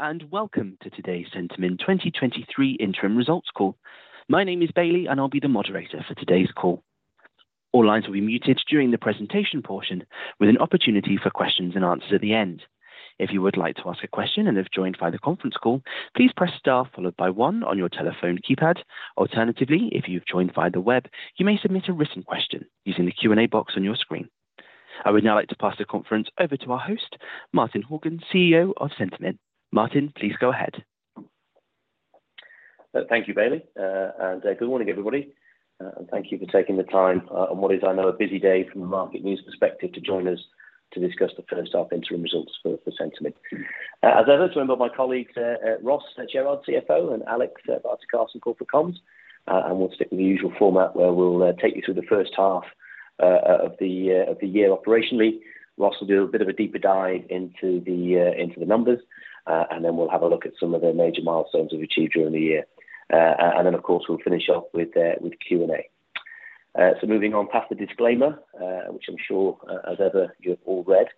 Hello, and welcome to today's Centamin 2023 interim results call. My name is Bailey, and I'll be the moderator for today's call. All lines will be muted during the presentation portion, with an opportunity for questions and answers at the end. If you would like to ask a question and have joined via the conference call, please press star followed by one on your telephone keypad. Alternatively, if you've joined via the web, you may submit a written question using the Q&A box on your screen. I would now like to pass the conference over to our host, Martin Horgan, CEO of Centamin. Martin, please go ahead. Thank you, Bailey. Good morning, everybody, and thank you for taking the time on what is, I know, a busy day from a market news perspective to join us to discuss the first half interim results for Centamin. As I also remember my colleagues, Ross Jerrard, CFO, and Alexandra Carse, Corporate Comms. We'll stick with the usual format, where we'll take you through the first half of the year operationally. Ross will do a bit of a deeper dive into the numbers. Then we'll have a look at some of the major milestones we've achieved during the year. Then, of course, we'll finish off with Q&A. Moving on past the disclaimer, which I'm sure, as ever, you've all read.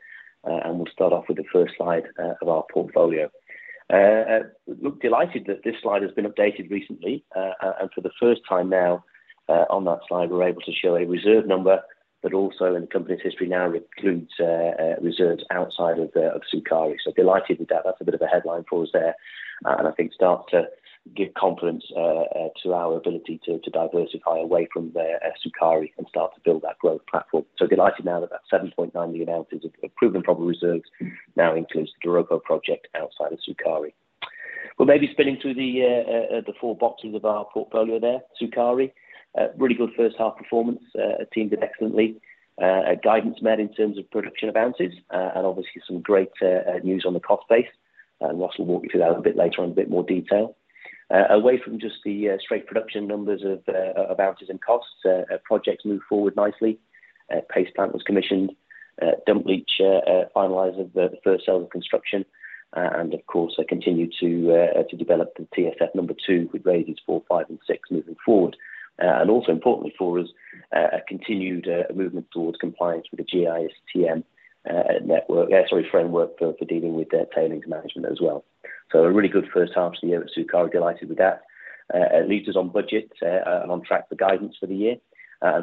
We'll start off with the first slide of our portfolio. Look, delighted that this slide has been updated recently, and for the first time now, on that slide, we're able to show a reserve number, but also in the company's history, now includes reserves outside of the, of Sukari. Delighted with that. That's a bit of a headline for us there, and I think starts to give confidence to our ability to diversify away from the Sukari and start to build that growth platform. Delighted now that that 7.9 million ounces of proven probable reserves now includes the Doropo project outside of Sukari. We'll maybe spin into the four boxes of our portfolio there. Sukari, a really good first half performance, teamed in excellently. Guidance met in terms of production of ounces, obviously some great news on the cost base, Ross will walk you through that a bit later on in a bit more detail. Away from just the straight production numbers of ounces and costs, our projects moved forward nicely. Paste plant was commissioned, dump leach, finalising the first sales of construction, of course, they continue to develop the PFS number two, with raises four, five, and six moving forward. Also importantly for us, a continued movement towards compliance with the GISTM framework for dealing with the tailings management as well. A really good first half to the year at Sukari. Delighted with that. Leaves us on budget and on track for guidance for the year.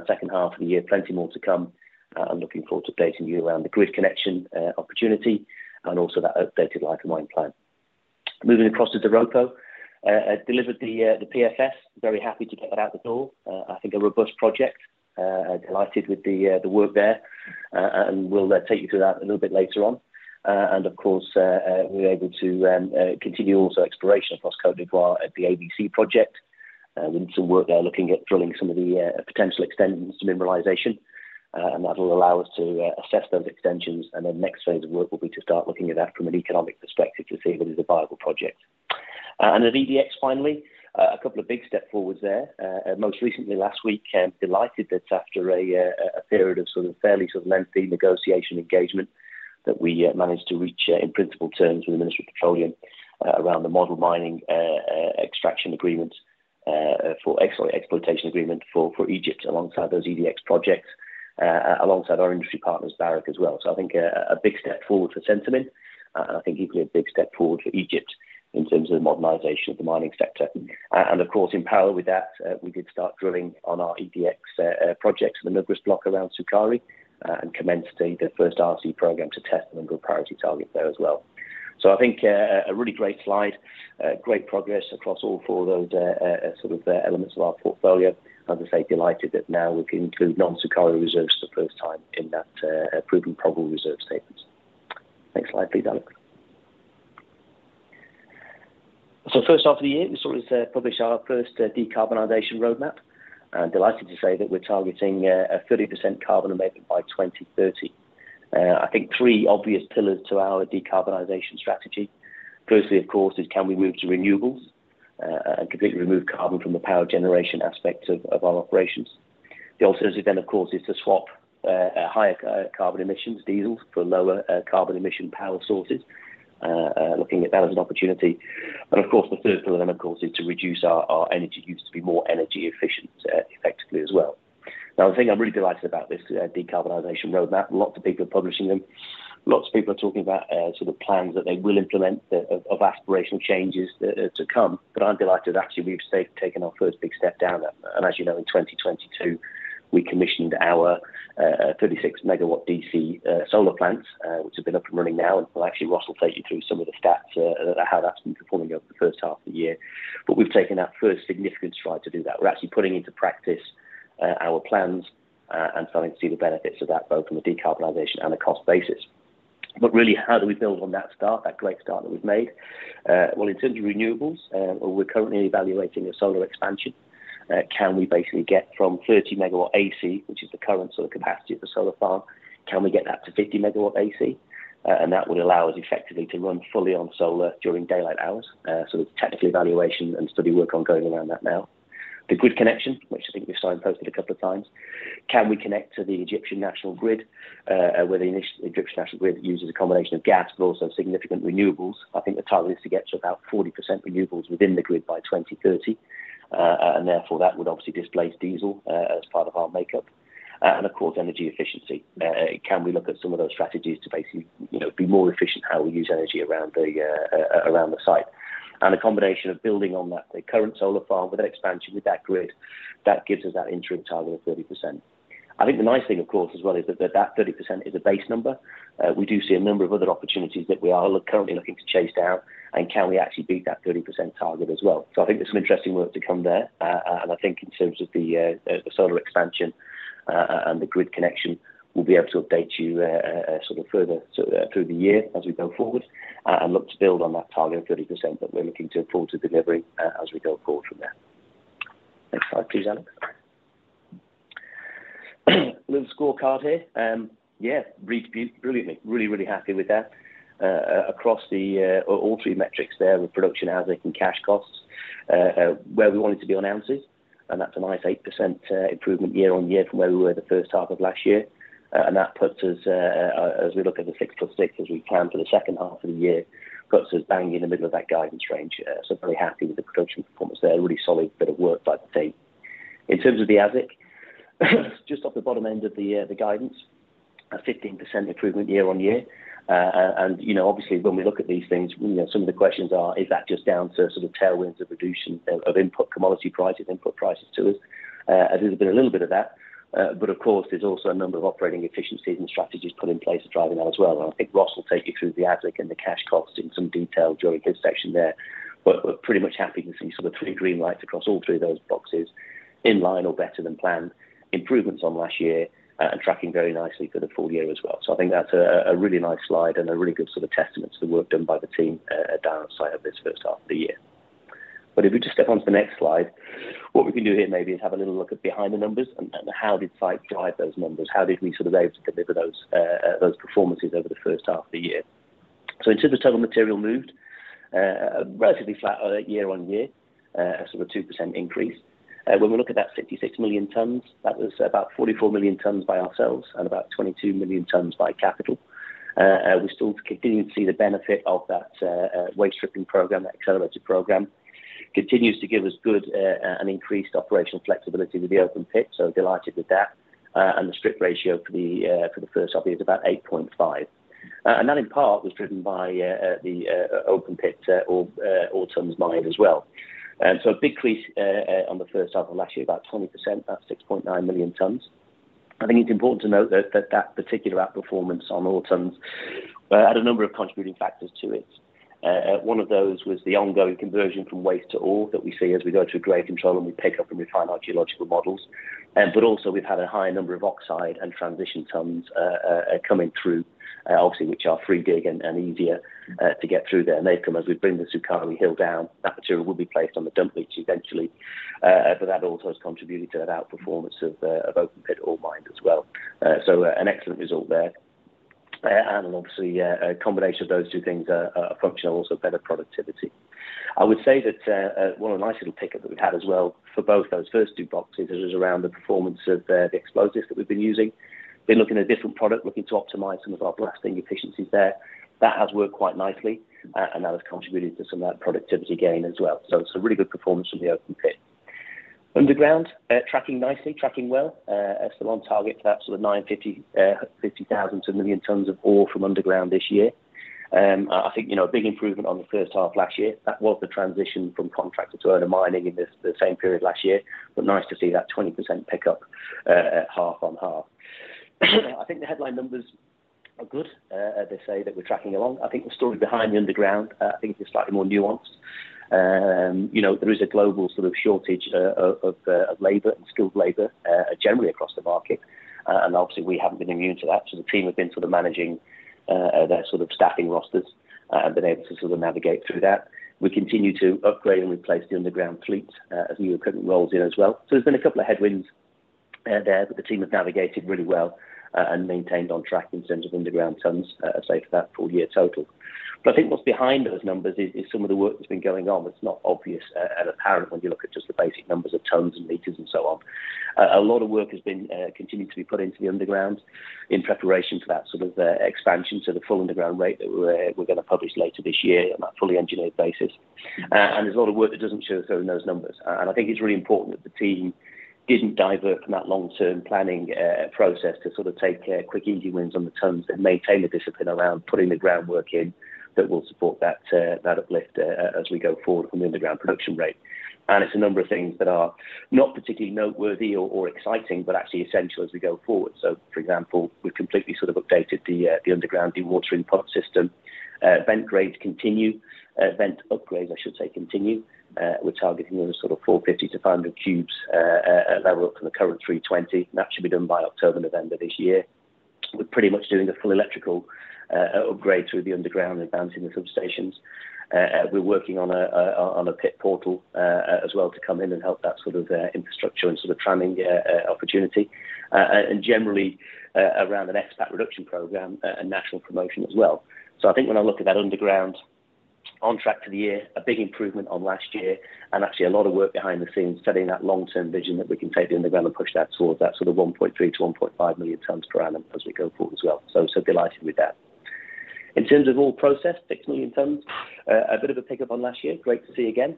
Second half of the year, plenty more to come. I'm looking forward to updating you around the grid connection opportunity and also that updated life of mine plan. Moving across to Doropo, delivered the PFS. Very happy to get that out the door. I think a robust project, delighted with the work there, and we'll take you through that a little bit later on. Of course, we're able to continue also exploration across Côte d'Ivoire at the ABC project. We did some work there, looking at drilling some of the potential extensions to mineralization, and that will allow us to assess those extensions, and then next phase of work will be to start looking at that from an economic perspective to see whether it is a viable project. At EDX, finally, a couple of big step forwards there. Most recently, last week, I'm delighted that after a period of fairly lengthy negotiation engagement, that we managed to reach in principle terms with the Ministry of Petroleum around the Model Minerals Exploitation Agreement for Egypt, alongside those EDX projects, alongside our industry partners, Barrick, as well. I think a big step forward for Centamin, and I think equally a big step forward for Egypt in terms of the modernization of the mining sector. And of course, in parallel with that, we did start drilling on our EDX projects in the Nuqrus block around Sukari, and commenced the first RC program to test the Nuqrus priority target there as well. I think a really great slide, great progress across all four of those elements of our portfolio. As I say, delighted that now we can include non-Sukari reserves for the first time in that approved and probable reserve statements. Next slide, please, Alex. First half of the year, we published our first decarbonization roadmap. I'm delighted to say that we're targeting a 30% carbon emission by 2030. I think 3 obvious pillars to our decarbonization strategy. Firstly, of course, is can we move to renewables and completely remove carbon from the power generation aspect of our operations? The alternative then, of course, is to swap higher carbon emissions, diesels, for lower carbon emission power sources, looking at that as an opportunity. Of course, the third pillar then, of course, is to reduce our energy use to be more energy efficient, effectively as well. The thing I'm really delighted about this decarbonization roadmap, lots of people are publishing them. Lots of people are talking about sort of plans that they will implement, of aspirational changes to come. I'm delighted that actually we've taken our first big step down that. As you know, in 2022, we commissioned our 36 megawatt D.C. solar plants, which have been up and running now. Well, actually, Ross will take you through some of the stats, how that's been performing over the first half of the year. We've taken that first significant stride to do that. We're actually putting into practice, our plans, and starting to see the benefits of that, both from a decarbonization and a cost basis. Really, how do we build on that start, that great start that we've made? Well, in terms of renewables, we're currently evaluating a solar expansion. Can we basically get from 30 megawatt AC, which is the current sort of capacity of the solar farm, can we get that to 50 megawatt AC? That will allow us effectively to run fully on solar during daylight hours. So technically, evaluation and study work on going around that now. The grid connection, which I think we've signposted a couple of times, can we connect to the Egyptian national grid, where the Egyptian national grid uses a combination of gas, but also significant renewables? I think the target is to get to about 40% renewables within the grid by 2030, and therefore, that would obviously displace diesel as part of our makeup. And of course, energy efficiency. Can we look at some of those strategies to basically, you know, be more efficient how we use energy around the site? A combination of building on that, the current solar farm with an expansion with that grid, that gives us that interim target of 30%. I think the nice thing, of course, as well, is that 30% is a base number. We do see a number of other opportunities that we are currently looking to chase down, and can we actually beat that 30% target as well? I think there's some interesting work to come there. I think in terms of the the solar expansion and the grid connection, we'll be able to update you sort of further, sort of through the year as we go forward and look to build on that target of 30% that we're looking to pull to delivery as we go forward from there. Next slide, please, Alex. Little scorecard here. Yeah, brilliantly, really, really happy with that. Across the all three metrics there with production, AISC, and cash costs where we wanted to be on ounces, and that's a nice 8% improvement year-on-year from where we were the first half of last year. That puts us, as we look at the 6 plus 6, as we plan for the second half of the year, puts us bang in the middle of that guidance range. Very happy with the production performance there. Really solid bit of work by the team. In terms of the AISC, just off the bottom end of the guidance, a 15% improvement year-on-year. You know, obviously, when we look at these things, you know, some of the questions are: is that just down to sort of tailwinds of reduction of input commodity prices, input prices to us? There's been a little bit of that, but of course, there's also a number of operating efficiencies and strategies put in place to drive that as well. I think Ross will take you through the AISC and the cash costs in some detail during his section there. We're pretty much happy to see sort of 3 green lights across all 3 of those boxes, in line or better than planned, improvements on last year, and tracking very nicely for the full year as well. I think that's a really nice slide and a really good sort of testament to the work done by the team down at site of this first half of the year. If we just step onto the next slide, what we can do here maybe is have a little look at behind the numbers and how did site drive those numbers? How did we sort of able to deliver those performances over the first half of the year? In terms of total material moved, relatively flat year-on-year, a 2% increase. When we look at that 56 million tons, that was about 44 million tons by ourselves and about 22 million tons by capital. We're still continuing to see the benefit of that waste stripping program, that accelerated program. Continues to give us good, an increased operational flexibility with the open pit, so delighted with that. The strip ratio for the first half is about 8.5. That in part was driven by the open pit ore tons mined as well. A big increase on the first half of last year, about 20%, about 6.9 million tons. I think it's important to note that particular outperformance on ore tons had a number of contributing factors to it. One of those was the ongoing conversion from waste to ore that we see as we go through grade control and we pick up and refine our geological models. Also we've had a high number of oxide and transition tons coming through, obviously, which are free dig and easier to get through there. They've come as we bring the Sukari Hill down, that material will be placed on the dump leach eventually, but that also has contributed to an outperformance of open pit ore mined as well. An excellent result there. A combination of those two things, functional, also better productivity. I would say that, well, a nice little pickup that we've had as well for both those first two boxes is around the performance of the explosives that we've been using. Been looking at a different product, looking to optimize some of our blasting efficiencies there. That has worked quite nicely, and that has contributed to some of that productivity gain as well. It's a really good performance from the open pit. Underground, tracking nicely, tracking well, still on target for that sort of 950,000 to 1 million tons of ore from underground this year. I think, you know, a big improvement on the first half last year. That was the transition from contractor to owner mining in this, the same period last year. Nice to see that 20% pick up, half-on-half. I think the headline numbers are good, as they say that we're tracking along. I think the story behind the underground, I think is slightly more nuanced. You know, there is a global sort of shortage of labor and skilled labor generally across the market, obviously, we haven't been immune to that. The team have been sort of managing their sort of staffing rosters and been able to sort of navigate through that. We continue to upgrade and replace the underground fleet as new equipment rolls in as well. There's been a couple of headwinds there, but the team has navigated really well and maintained on track in terms of underground tons for that full year total. I think what's behind those numbers is some of the work that's been going on that's not obvious and apparent when you look at just the basic numbers of tons and meters and so on. A lot of work has been continuing to be put into the underground in preparation for that sort of expansion to the full underground rate that we're going to publish later this year on that fully engineered basis. There's a lot of work that doesn't show in those numbers. I think it's really important that the team doesn't divert from that long-term planning process to sort of take quick, easy wins on the tons and maintain the discipline around putting the groundwork in that will support that uplift as we go forward from the underground production rate. It's a number of things that are not particularly noteworthy or exciting, but actually essential as we go forward. For example, we've completely sort of updated the underground dewatering product system. Vent grades continue, vent upgrades, I should say, continue. We're targeting sort of 450-500 cubes level up from the current 320, and that should be done by October, November this year. We're pretty much doing a full electrical upgrade through the underground, advancing the substations. We're working on a pit portal as well, to come in and help that sort of infrastructure and sort of tramming opportunity, and generally around an expat reduction program and national promotion as well. I think when I look at that underground, on track for the year, a big improvement on last year, and actually a lot of work behind the scenes, studying that long-term vision that we can take the underground and push that towards that sort of 1.3 million-1.5 million tons per annum as we go forward as well. Delighted with that. In terms of ore processed, 6 million tons, a bit of a pickup on last year. Great to see again.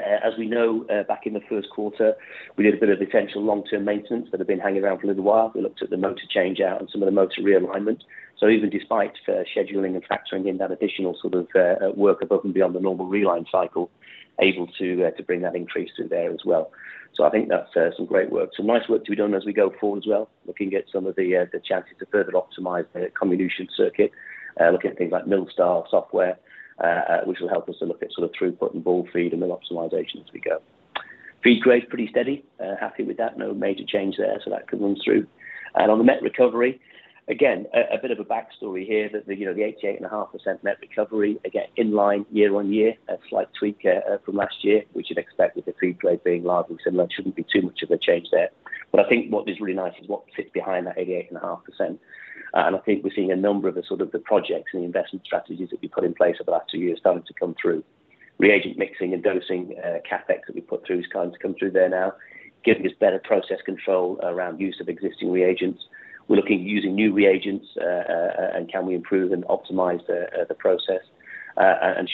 As we know, back in the first quarter, we did a bit of potential long-term maintenance that had been hanging around for a little while. We looked at the motor change out and some of the motor realignment. Even despite, scheduling and factoring in that additional sort of, work above and beyond the normal realign cycle, able to bring that increase through there as well. I think that's, some great work. Some nice work to be done as we go forward as well, looking at some of the chances to further optimize the comminution circuit. Looking at things like MillStar software, which will help us to look at sort of throughput and ball feed and mill optimization as we go. Feed grade, pretty steady. Happy with that. No major change there, so that can run through. On the net recovery, again, a bit of a backstory here that the, you know, the 88.5% net recovery, again, in line year-on-year, a slight tweak from last year, we should expect with the feed grade being large and similar, shouldn't be too much of a change there. I think what is really nice is what sits behind that 88.5%. I think we're seeing a number of the sort of the projects and the investment strategies that we put in place over the last 2 years starting to come through. Reagent mixing and dosing, CapEx that we put through is starting to come through there now, giving us better process control around use of existing reagents. We're looking at using new reagents, and can we improve and optimize the process?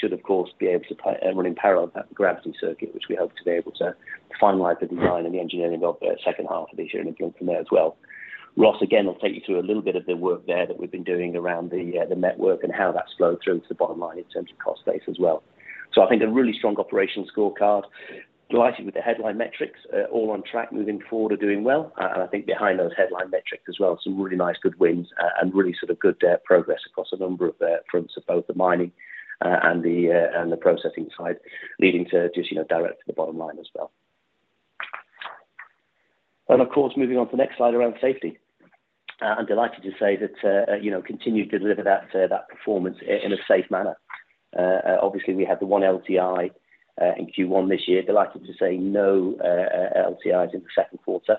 Should, of course, be able to run in parallel, that gravity circuit, which we hope to be able to finalize the design and the engineering of the second half of this year and move from there as well. Ross, again, will take you through a little bit of the work there that we've been doing around the network and how that's flowed through to the bottom line in terms of cost base as well. I think a really strong operational scorecard. Delighted with the headline metrics, all on track, moving forward and doing well. I think behind those headline metrics as well, some really nice good wins, and really sort of good progress across a number of fronts of both the mining and the processing side, leading to just, you know, direct to the bottom line as well. Of course, moving on to the next slide around safety. I'm delighted to say that, you know, continued to deliver that performance in a safe manner. Obviously, we had the one LTI in Q1 this year. Delighted to say no LTIs in the second quarter,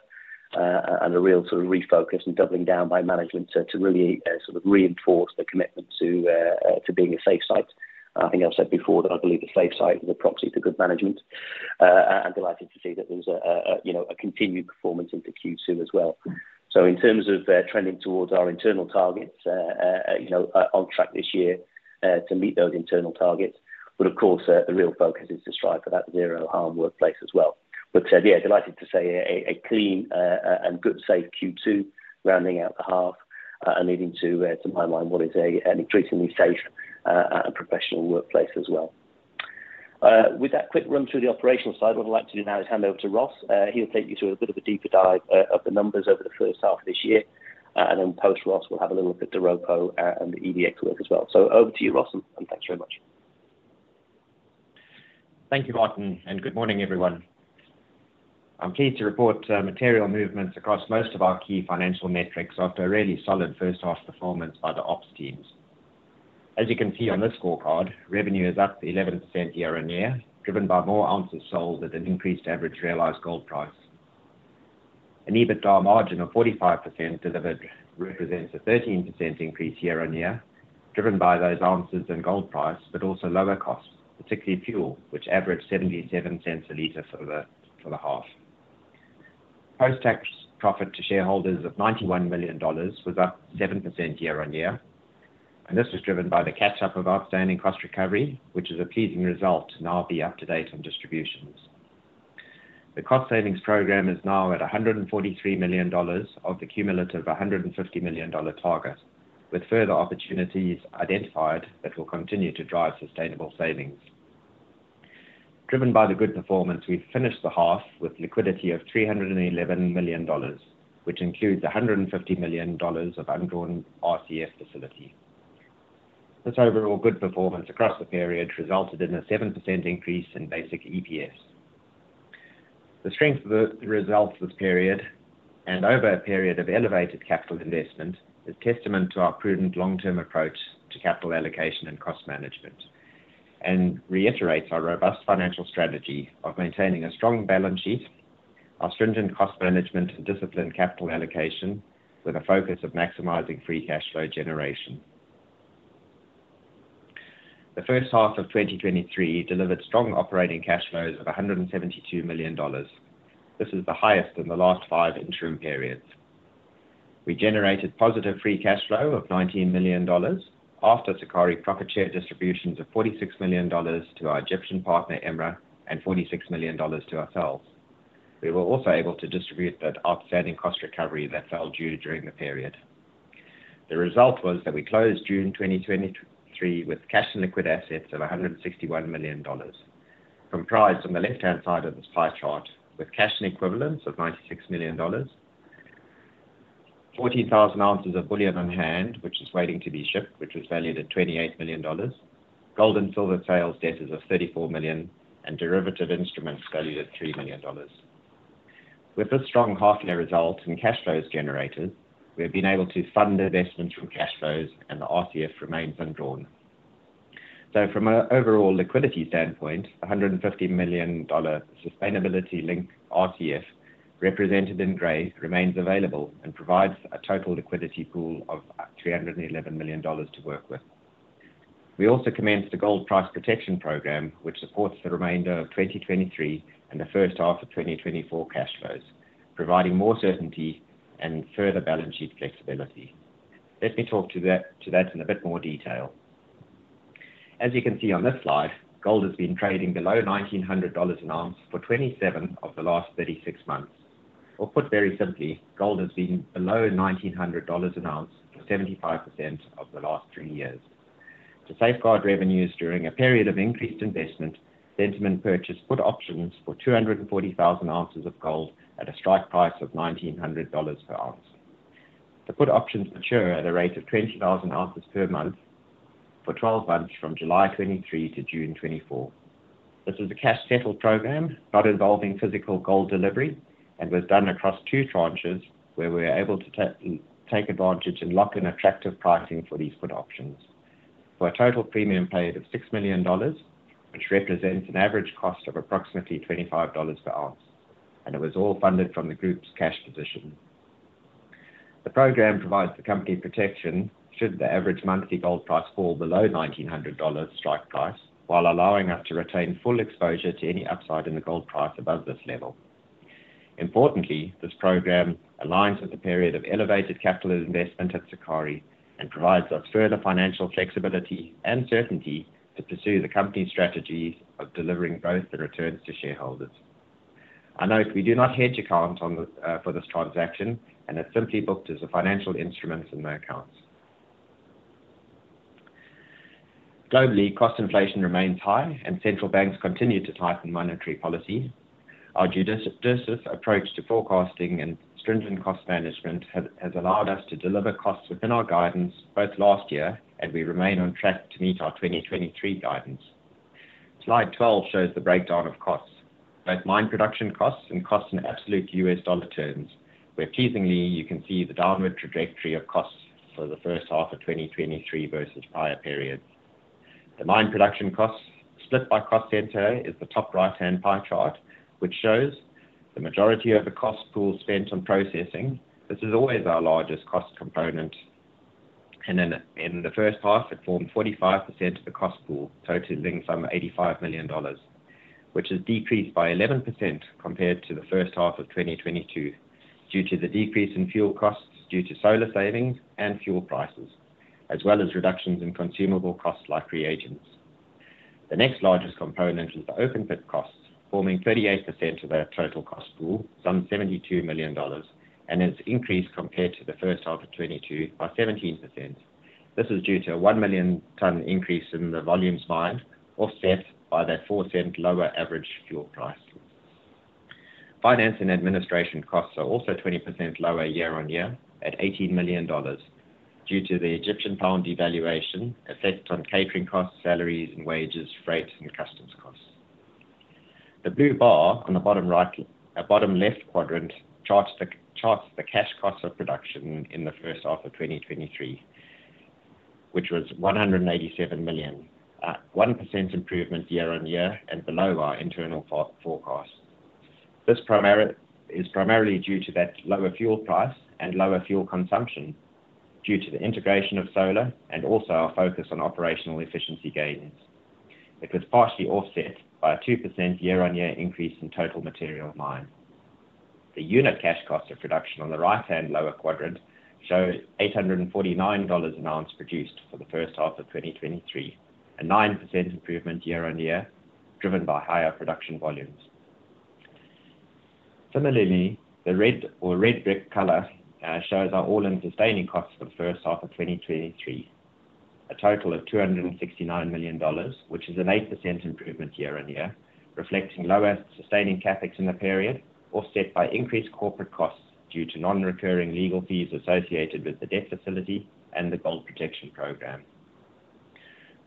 and a real sort of refocus and doubling down by management to really reinforce the commitment to being a safe site. I think I've said before that I believe a safe site is a proxy to good management, and delighted to see that there was a, you know, a continued performance into Q2 as well. In terms of, you know, trending towards our internal targets, on track this year to meet those internal targets. Of course, the real focus is to strive for that zero harm workplace as well. Yeah, delighted to say a clean, and good, safe Q2, rounding out the half, and leading to underline what is a increasingly safe, and professional workplace as well. With that quick run through the operational side, what I'd like to do now is hand over to Ross. He'll take you through a bit of a deeper dive of the numbers over the first half of this year. Post Ross, we'll have a look at the Doropo and the EDX work as well. Over to you, Ross, and thanks very much. Thank you, Martin. Good morning, everyone. I'm pleased to report material movements across most of our key financial metrics after a really solid first half performance by the ops teams. As you can see on this scorecard, revenue is up 11% year-on-year, driven by more ounces sold at an increased average realized gold price. An EBITDA margin of 45% delivered represents a 13% increase year-on-year, driven by those ounces and gold price, but also lower costs, particularly fuel, which averaged $0.77 a liter for the half. Post-tax profit to shareholders of $91 million was up 7% year-on-year. This was driven by the catch-up of outstanding cost recovery, which is a pleasing result to now be up-to-date on distributions. The cost savings program is now at $143 million of the cumulative $150 million target, with further opportunities identified that will continue to drive sustainable savings. Driven by the good performance, we've finished the half with liquidity of $311 million, which includes $150 million of undrawn RCF facility. This overall good performance across the period resulted in a 7% increase in basic EPS. The strength of the results this period, and over a period of elevated capital investment, is testament to our prudent long-term approach to capital allocation and cost management, and reiterates our robust financial strategy of maintaining a strong balance sheet, our stringent cost management, and disciplined capital allocation, with a focus of maximizing free cash flow generation. The first half of 2023 delivered strong operating cash flows of $172 million. This is the highest in the last five interim periods. We generated positive free cash flow of $19 million after Sukari profit share distributions of $46 million to our Egyptian partner, EMRA, and $46 million to ourselves. We were also able to distribute that outstanding cost recovery that fell due during the period. The result was that we closed June 2023 with cash and liquid assets of $161 million, comprised on the left-hand side of this pie chart, with cash and equivalents of $96 million, 40,000 ounces of bullion on hand, which is waiting to be shipped, which was valued at $28 million, gold and silver sales debtors of $34 million, and derivative instruments valued at $3 million. With this strong half-year result and cash flows generated, we have been able to fund investments from cash flows, and the RCF remains undrawn. From an overall liquidity standpoint, the $150 million sustainability-linked RCF, represented in gray, remains available and provides a total liquidity pool of $311 million to work with. We also commenced the gold price protection program, which supports the remainder of 2023 and the first half of 2024 cash flows, providing more certainty and further balance sheet flexibility. Let me talk to that in a bit more detail. As you can see on this slide, gold has been trading below $1,900 an ounce for 27 of the last 36 months. Put very simply, gold has been below $1,900 an ounce for 75% of the last 3 years. To safeguard revenues during a period of increased investment, Centamin purchased put options for 240,000 ounces of gold at a strike price of $1,900 per ounce. The put options mature at a rate of 20,000 ounces per month for 12 months, from July 2023 to June 2024. This is a cash settle program, not involving physical gold delivery, and was done across two tranches, where we were able to take advantage and lock in attractive pricing for these put options. For a total premium paid of $6 million, which represents an average cost of approximately $25 per ounce, and it was all funded from the group's cash position. The program provides the company protection should the average monthly gold price fall below $1,900 strike price, while allowing us to retain full exposure to any upside in the gold price above this level. Importantly, this program aligns with a period of elevated capital investment at Sukari, and provides us further financial flexibility and certainty to pursue the company's strategies of delivering both the returns to shareholders. I note we do not hedge account on the for this transaction, and it's simply booked as a financial instrument in the accounts. Globally, cost inflation remains high, and central banks continue to tighten monetary policy. Our judicious approach to forecasting and stringent cost management has allowed us to deliver costs within our guidance both last year, and we remain on track to meet our 2023 guidance. Slide 12 shows the breakdown of costs, both mine production costs and costs in absolute U.S. dollar terms, where teasingly you can see the downward trajectory of costs for the first half of 2023 versus prior periods. Mine production costs, split by cost center, is the top right-hand pie chart, which shows the majority of the cost pool spent on processing. This is always our largest cost component, and in the first half, it formed 45% of the cost pool, totaling some $85 million, which has decreased by 11% compared to the first half of 2022, due to the decrease in fuel costs, due to solar savings and fuel prices, as well as reductions in consumable costs like reagents. The next largest component is the open pit costs, forming 38% of that total cost pool, some $72 million, and it's increased compared to the first half of 2022 by 17%. This is due to a 1 million ton increase in the volumes mined, offset by that $0.04 lower average fuel price. Finance and administration costs are also 20% lower year-on-year, at $18 million, due to the Egyptian pound devaluation effect on catering costs, salaries and wages, freight and customs costs. The blue bar on the bottom right, bottom left quadrant, charts the cash costs of production in the first half of 2023, which was $187 million, at 1% improvement year-on-year and below our internal forecast. This is primarily due to that lower fuel price and lower fuel consumption, due to the integration of solar and also our focus on operational efficiency gains. It was partially offset by a 2% year-on-year increase in total material mine. The unit cash cost of production on the right-hand lower quadrant shows $849 an ounce produced for the first half of 2023, a 9% improvement year-on-year, driven by higher production volumes. Similarly, the red or red brick color shows our all-in sustaining costs for the first half of 2023. A total of $269 million, which is an 8% improvement year-on-year, reflecting lower sustaining CapEx in the period, offset by increased corporate costs due to non-recurring legal fees associated with the debt facility and the gold protection program.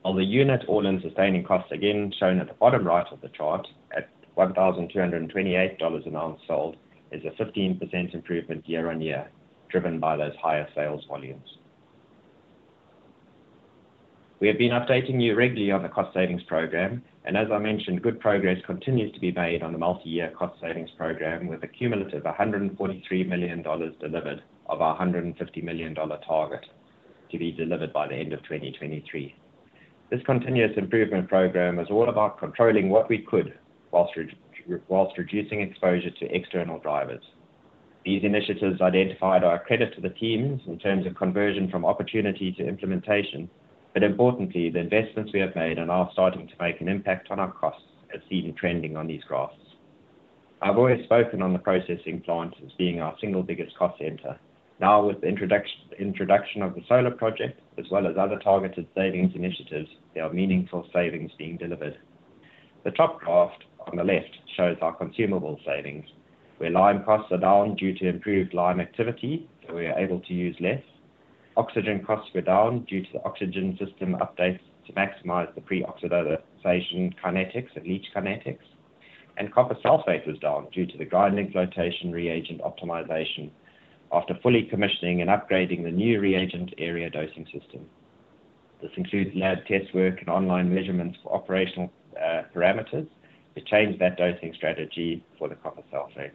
While the unit all-in sustaining costs, again, shown at the bottom right of the chart at $1,228 an ounce sold, is a 15% improvement year-on-year, driven by those higher sales volumes. We have been updating you regularly on the cost savings program. As I mentioned, good progress continues to be made on the multi-year cost savings program, with a cumulative $143 million delivered of our $150 million target to be delivered by the end of 2023. This continuous improvement program is all about controlling what we could, while reducing exposure to external drivers. These initiatives identified are a credit to the teams in terms of conversion from opportunity to implementation, but importantly, the investments we have made are now starting to make an impact on our costs, as seen in trending on these graphs. I've always spoken on the processing plant as being our single biggest cost center. Now, with the introduction of the solar project, as well as other targeted savings initiatives, there are meaningful savings being delivered. The top graph on the left shows our consumable savings, where lime costs are down due to improved lime activity, so we are able to use less. Oxygen costs were down due to the oxygen system updates to maximize the pre-oxidation kinetics and leach kinetics. Copper sulfate was down due to the guiding flotation reagent optimization after fully commissioning and upgrading the new reagent area dosing system. This includes lab test work and online measurements for operational parameters to change that dosing strategy for the copper sulfate.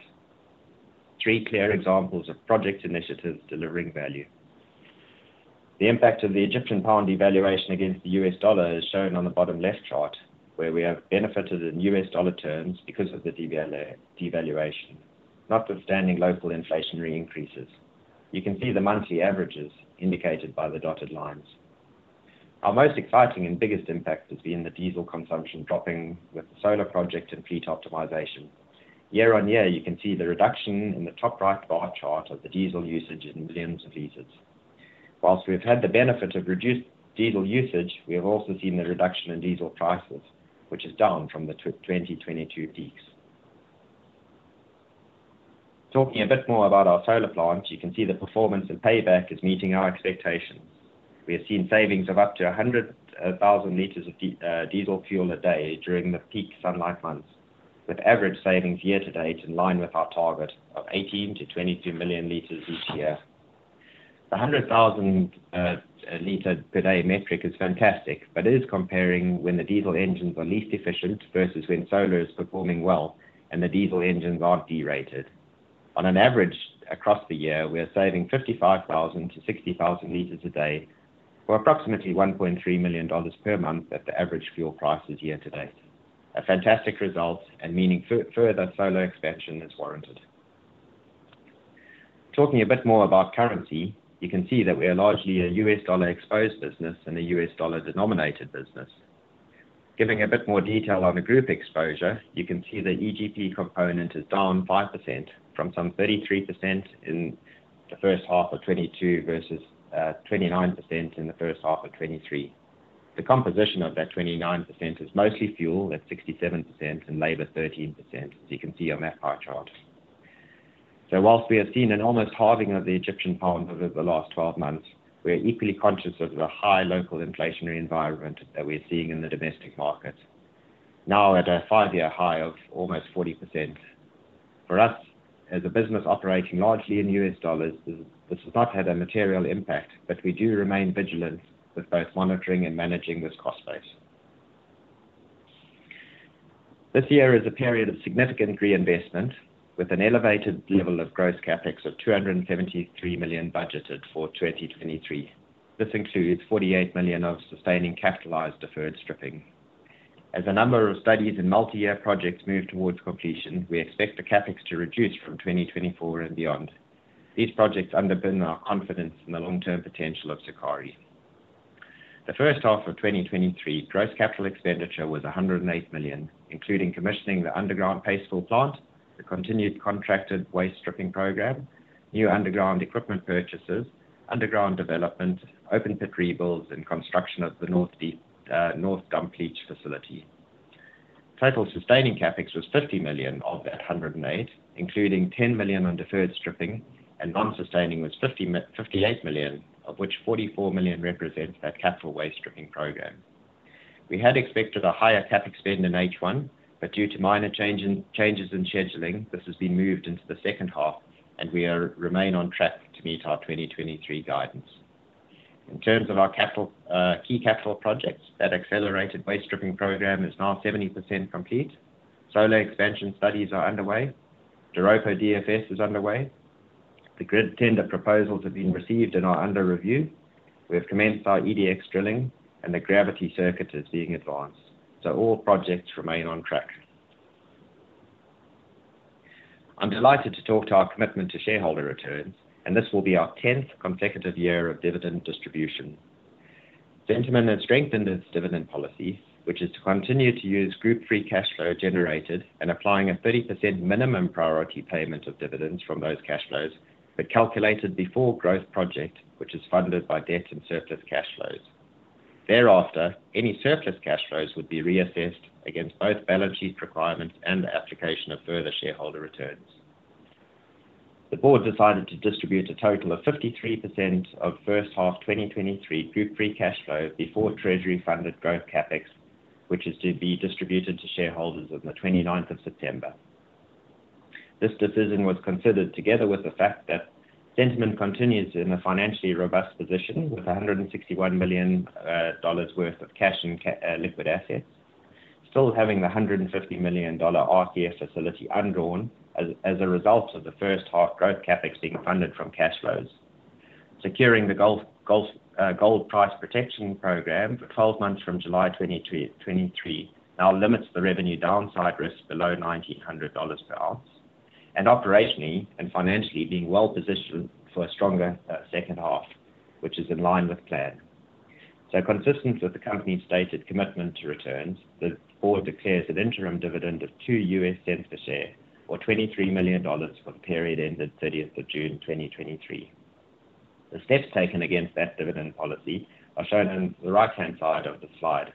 three clear examples of project initiatives delivering value. The impact of the Egyptian pound devaluation against the U.S. dollar is shown on the bottom left chart, where we have benefited in U.S. dollar terms because of the devaluation, notwithstanding local inflationary increases. You can see the monthly averages indicated by the dotted lines. Our most exciting and biggest impact has been the diesel consumption dropping with the solar project and fleet optimization. Year-on-year, you can see the reduction in the top right bar chart of the diesel usage in millions of liters. We've had the benefit of reduced diesel usage, we have also seen the reduction in diesel prices, which is down from the 2022 peaks. Talking a bit more about our solar plant, you can see the performance and payback is meeting our expectations. We have seen savings of up to 100,000 liters of diesel fuel a day during the peak sunlight months, with average savings year to date in line with our target of 18 million-22 million liters each year. The 100,000 liter per day metric is fantastic, but it is comparing when the diesel engines are least efficient versus when solar is performing well and the diesel engines are derated. On an average across the year, we are saving 55,000-60,000 liters a day, or approximately $1.3 million per month at the average fuel prices year to date. A fantastic result, meaning further solar expansion is warranted. Talking a bit more about currency, you can see that we are largely a U.S. dollar-exposed business and a U.S. dollar-denominated business. Giving a bit more detail on the group exposure, you can see the EGP component is down 5% from some 33% in the first half of 2022 versus 29% in the first half of 2023. The composition of that 29% is mostly fuel, at 67%, and labor, 13%, as you can see on that pie chart. Whilst we have seen an almost halving of the Egyptian pound over the last 12 months, we are equally conscious of the high local inflationary environment that we're seeing in the domestic market, now at a five-year high of almost 40%. For us, as a business operating largely in U.S. dollars, this has not had a material impact, but we do remain vigilant with both monitoring and managing this cost base. This year is a period of significant reinvestment, with an elevated level of gross CapEx of $273 million budgeted for 2023. This includes $48 million of sustaining capitalized deferred stripping. As a number of studies and multi-year projects move towards completion, we expect the CapEx to reduce from 2024 and beyond. These projects underpin our confidence in the long-term potential of Sukari. The first half of 2023, gross capital expenditure was $108 million, including commissioning the underground paste fill plant, the continued contracted waste stripping program, new underground equipment purchases, underground development, open pit rebuilds, and construction of the North Dump Leach facility. Total sustaining CapEx was $50 million of that $108 million, including $10 million on deferred stripping, and non-sustaining was $58 million, of which $44 million represents that capital waste stripping program. We had expected a higher CapEx spend in H1, but due to minor changes in scheduling, this has been moved into the second half, and we remain on track to meet our 2023 guidance. In terms of our capital, key capital projects, that accelerated waste stripping program is now 70% complete. Solar expansion studies are underway. Doropo DFS is underway. The grid tender proposals have been received and are under review. We have commenced our EDX drilling, and the gravity circuit is being advanced. All projects remain on track. I'm delighted to talk to our commitment to shareholder returns, and this will be our 10th consecutive year of dividend distribution. Centamin has strengthened its dividend policy, which is to continue to use group free cash flow generated and applying a 30% minimum priority payment of dividends from those cash flows, but calculated before growth project, which is funded by debt and surplus cash flows. Thereafter, any surplus cash flows would be reassessed against both balance sheet requirements and the application of further shareholder returns. The board decided to distribute a total of 53% of first half 2023 group free cash flow before treasury-funded growth CapEx, which is to be distributed to shareholders on the 29th of September. This decision was considered together with the fact that Centamin continues in a financially robust position, with $161 million worth of cash and liquid assets. Still having the $150 million RCF facility undrawn as a result of the first half growth CapEx being funded from cash flows. Securing the gold price protection program for 12 months from July 23, 2023, now limits the revenue downside risk below $1,900 per ounce. Operationally and financially, being well positioned for a stronger second half, which is in line with plan. Consistent with the company's stated commitment to returns, the board declares an interim dividend of $0.02 per share, or $23 million for the period ended 30th of June 2023. The steps taken against that dividend policy are shown on the right-hand side of the slide.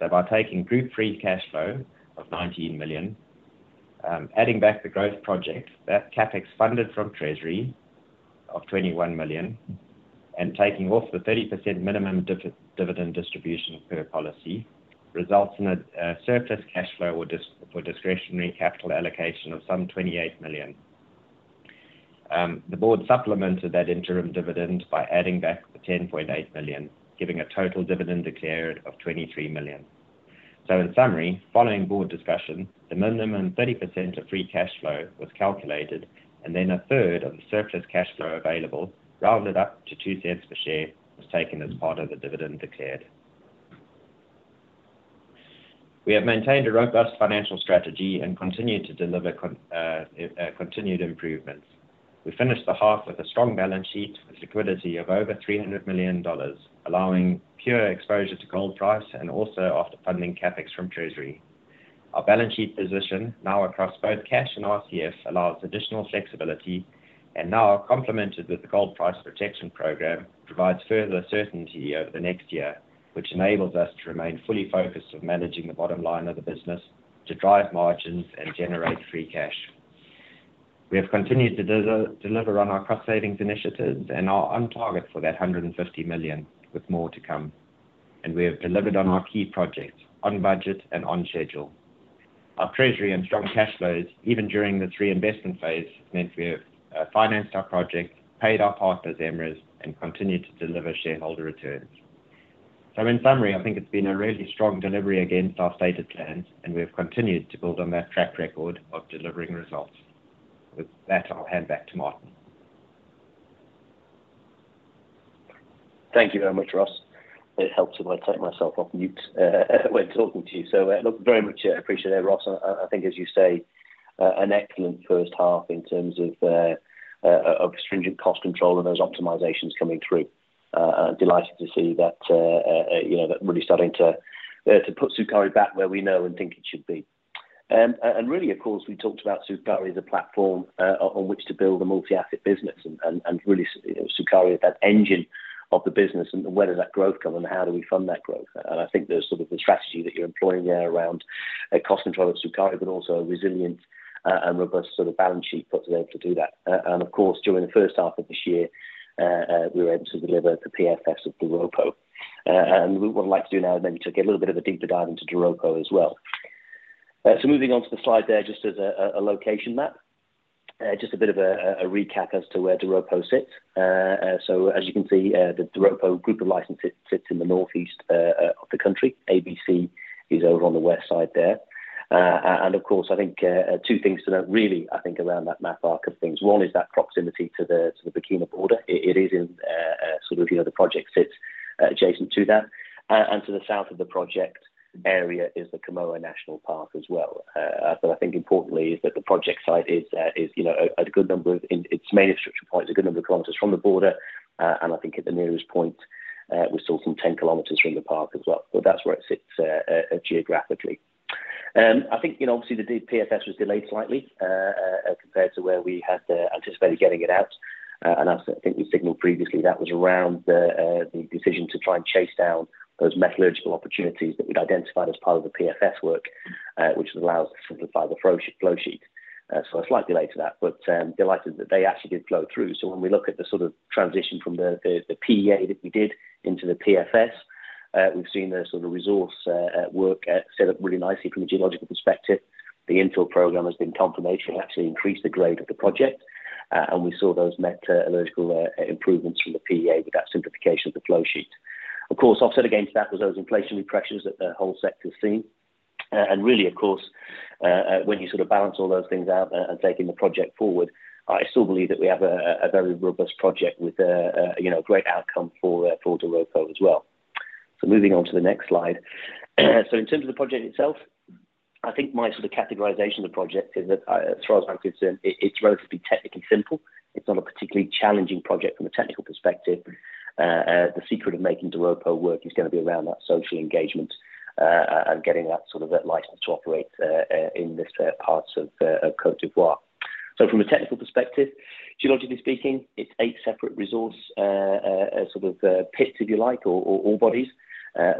By taking group free cash flow of $19 million, adding back the growth project, that CapEx funded from treasury of $21 million, and taking off the 30% minimum dividend distribution per policy, results in a surplus cash flow for discretionary capital allocation of some $28 million. The board supplemented that interim dividend by adding back the $10.8 million, giving a total dividend declared of $23 million. In summary, following board discussion, the minimum 30% of free cash flow was calculated, and then a third of the surplus cash flow available, rounded up to $0.02 per share, was taken as part of the dividend declared. We have maintained a robust financial strategy and continued to deliver continued improvements. We finished the half with a strong balance sheet, with liquidity of over $300 million, allowing pure exposure to gold price and also after funding CapEx from treasury. Our balance sheet position, now across both cash and RCF, allows additional flexibility, and now complemented with the gold price protection programme, provides further certainty over the next year, which enables us to remain fully focused on managing the bottom line of the business to drive margins and generate free cash. We have continued to deliver on our cost savings initiatives and are on target for that $150 million, with more to come. We have delivered on our key projects, on budget and on schedule. Our treasury and strong cash flows, even during the 3 investment phase, meant we have financed our project, paid our partners, EMRA, and continued to deliver shareholder returns. In summary, I think it's been a really strong delivery against our stated plans, and we've continued to build on that track record of delivering results. With that, I'll hand back to Martin. Thank you very much, Ross. It helps if I take myself off mute when talking to you. Look, very much appreciate it, Ross. I think, as you say, an excellent first half in terms of stringent cost control and those optimizations coming through. Delighted to see that, you know, that really starting to put Sukari back where we know and think it should be. Really, of course, we talked about Sukari as a platform on which to build a multi-asset business and really, Sukari is that engine of the business, and where does that growth come, and how do we fund that growth? I think there's sort of the strategy that you're employing there around a cost control of Sukari, but also a resilient and robust sort of balance sheet put today to do that. Of course, during the first half of this year, we were able to deliver the PFS of Doropo. What I'd like to do now is maybe to get a little bit of a deeper dive into Doropo as well. Moving on to the slide there, just as a location map, just a bit of a recap as to where Doropo sits. As you can see, the Doropo group of licenses sits in the northeast of the country. ABC is over on the west side there. Of course, I think, two things to note, really, I think, around that map arc of things. One is that proximity to the, to the Burkina border. It is in, sort of, you know, the project sits adjacent to that. To the south of the project area is the Comoé National Park as well. I think importantly, is that the project site is, you know, a good number of kilometers from the border, and I think at the nearest point, we're still some 10 kilometers from the park as well. That's where it sits geographically. I think, you know, obviously, the PFS was delayed slightly compared to where we had anticipated getting it out. As I think we signaled previously, that was around the decision to try and chase down those metallurgical opportunities that we'd identified as part of the PFS work, which allows us to simplify the flow sheet. Slightly later that, but, delighted that they actually did flow through. When we look at the sort of transition from the PEA that we did into the PFS, we've seen the sort of resource, work out set up really nicely from a geological perspective. The infill program has been confirmation, actually increased the grade of the project, and we saw those metallurgical, improvements from the PEA with that simplification of the flow sheet. Of course, offset against that was those inflationary pressures that the whole sector has seen. Really, of course, when you sort of balance all those things out and taking the project forward, I still believe that we have a very robust project with a, you know, great outcome for Doropo as well. Moving on to the next slide. In terms of the project itself, I think my sort of categorization of the project is that, as far as I'm concerned, it's relatively technically simple. It's not a particularly challenging project from a technical perspective. The secret of making Doropo work is going to be around that social engagement, and getting that sort of license to operate in this parts of Côte d'Ivoire. From a technical perspective, geologically speaking, it's 8 separate resource pits, if you like, or ore bodies,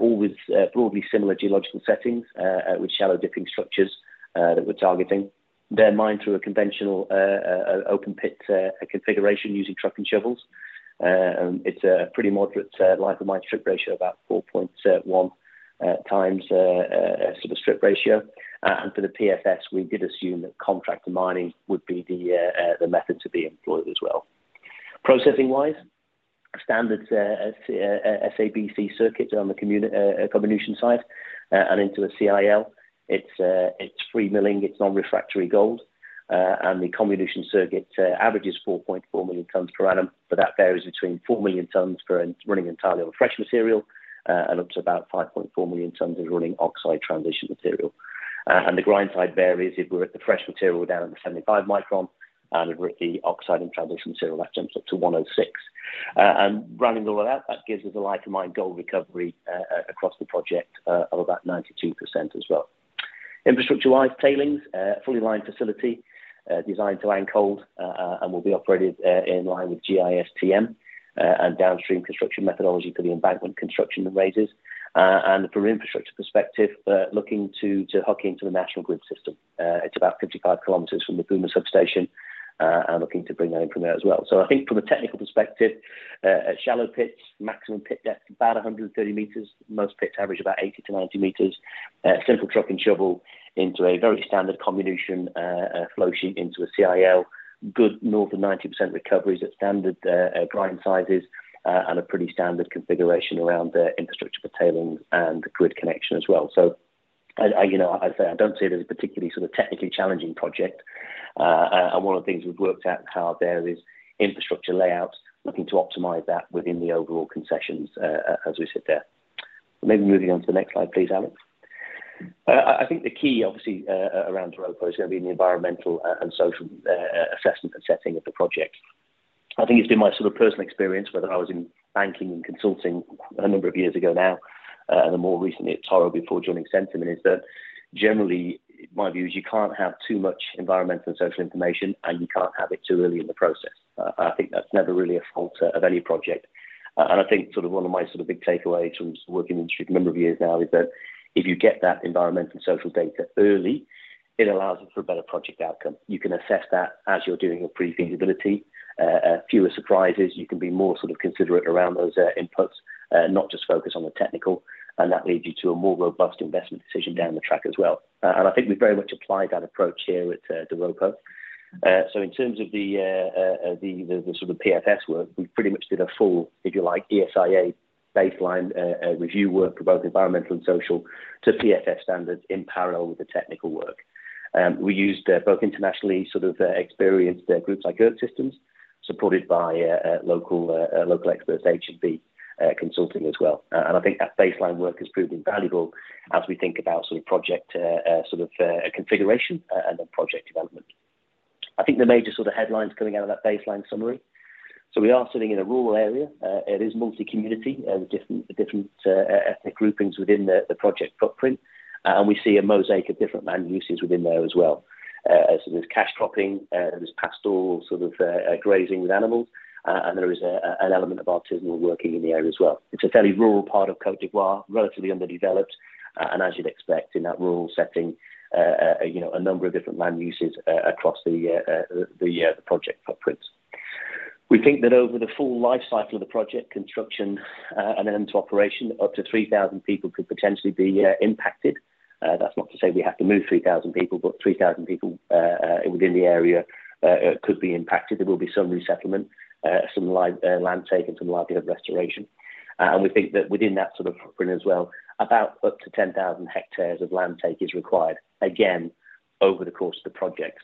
all with broadly similar geological settings, with shallow dipping structures that we're targeting. They're mined through a conventional open pit configuration using truck and shovels. It's a pretty moderate life of mine strip ratio, about 4.1x strip ratio. For the PFS, we did assume that contract mining would be the method to be employed as well. Processing-wise, standard SABC circuit on the comminution side and into a CIL. It's free milling, it's non-refractory gold, and the comminution circuit averages 4.4 million tons per annum, but that varies between 4 million tons per annum running entirely on fresh material, and up to about 5.4 million tons of running oxide transition material. The grind side varies. If we're at the fresh material, we're down in the 75 micron, and if we're at the oxide and transition material, that jumps up to 106. Running all of that gives us a like-to-mine gold recovery across the project of about 92% as well. Infrastructure-wise, tailings, fully lined facility, designed to handle cold, and will be operated in line with GISTM, and downstream construction methodology for the embankment construction and raises. From an infrastructure perspective, looking to hook into the national grid system. It's about 55 kilometers from the Bouna substation, looking to bring that in from there as well. I think from a technical perspective, a shallow pits, maximum pit depth, about 130 meters. Most pits average about 80-90 meters. Simple truck and shovel into a very standard comminution flow sheet into a CIL. Good more than 90% recoveries at standard grind sizes, a pretty standard configuration around the infrastructure for tailings and the grid connection as well. I, you know, I say I don't see it as a particularly sort of technically challenging project. One of the things we've worked out how there is infrastructure layouts, looking to optimize that within the overall concessions, as we sit there. Maybe moving on to the next slide, please, Alex. I think the key, obviously, around Doropo is gonna be the environmental and social assessment and setting of the project. I think it's been my sort of personal experience, whether I was in banking and consulting a number of years ago now, and more recently at Toro before joining Centamin, is that generally, my view is you can't have too much environmental and social information, and you can't have it too early in the process. I think that's never really a fault of any project. I think sort of one of my sort of big takeaway terms working in the industry for a number of years now is that if you get that environmental and social data early, it allows for a better project outcome. You can assess that as you're doing your pre-feasibility, fewer surprises. You can be more sort of considerate around those inputs, not just focus on the technical, and that leads you to a more robust investment decision down the track as well. I think we very much apply that approach here at Doropo. In terms of the sort of PFS work, we pretty much did a full, if you like, ESIA baseline review work for both environmental and social to PFS standards in parallel with the technical work. We used both internationally sort of experienced groups like Earth Systems, supported by local experts, H&B Consulting as well. I think that baseline work has proved invaluable as we think about sort of project configuration and then project development. I think the major sort of headlines coming out of that baseline summary, we are sitting in a rural area. It is multi-community, different ethnic groupings within the project footprint, and we see a mosaic of different land uses within there as well. There's cash cropping, there's pastoral sort of grazing with animals, and there is an element of artisanal working in the area as well. It's a fairly rural part of Côte d'Ivoire, relatively underdeveloped, and as you'd expect in that rural setting, you know, a number of different land uses across the project footprints. We think that over the full life cycle of the project, construction, and then to operation, up to 3,000 people could potentially be impacted. That's not to say we have to move 3,000 people, but 3,000 people within the area could be impacted. There will be some resettlement, some land take, and some liability of restoration. We think that within that sort of footprint as well, about up to 10,000 hectares of land take is required, again, over the course of the project.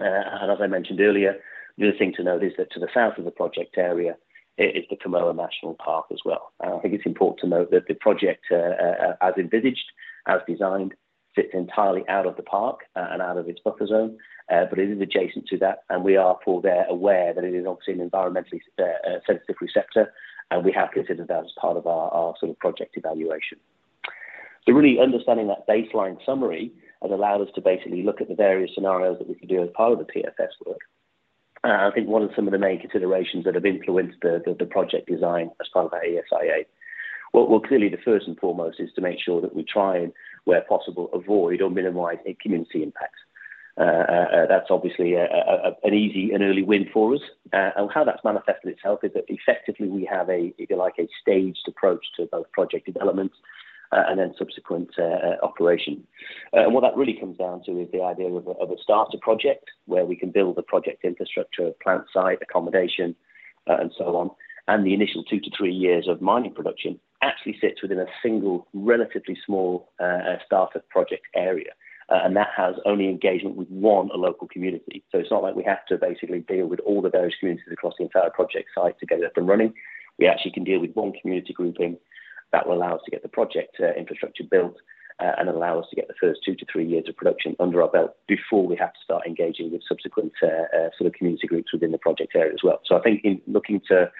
As I mentioned earlier, the other thing to note is that to the south of the project area is the Comoé National Park as well. I think it's important to note that the project, as envisaged, as designed, sits entirely out of the park, and out of its buffer zone, but it is adjacent to that, and we are all there aware that it is obviously an environmentally sensitive receptor, and we have considered that as part of our sort of project evaluation. Really understanding that baseline summary has allowed us to basically look at the various scenarios that we could do as part of the PFS work. I think one of some of the main considerations that have influenced the project design as part of our ESIA, well, clearly, the first and foremost is to make sure that we try and, where possible, avoid or minimize any community impact. That's obviously an easy and early win for us. How that's manifested itself is that effectively, we have a, if you like, a staged approach to both project development, and then subsequent operation. What that really comes down to is the idea of a starter project where we can build the project infrastructure, plant site, accommodation, and so on. The initial two to three years of mining production actually sits within a single, relatively small, starter project area, and that has only engagement with one local community. It's not like we have to basically deal with all the various communities across the entire project site to get it up and running. We actually can deal with one community grouping that will allow us to get the project, infrastructure built, and allow us to get the first two to three years of production under our belt before we have to start engaging with subsequent, sort of community groups within the project area as well. I think in looking to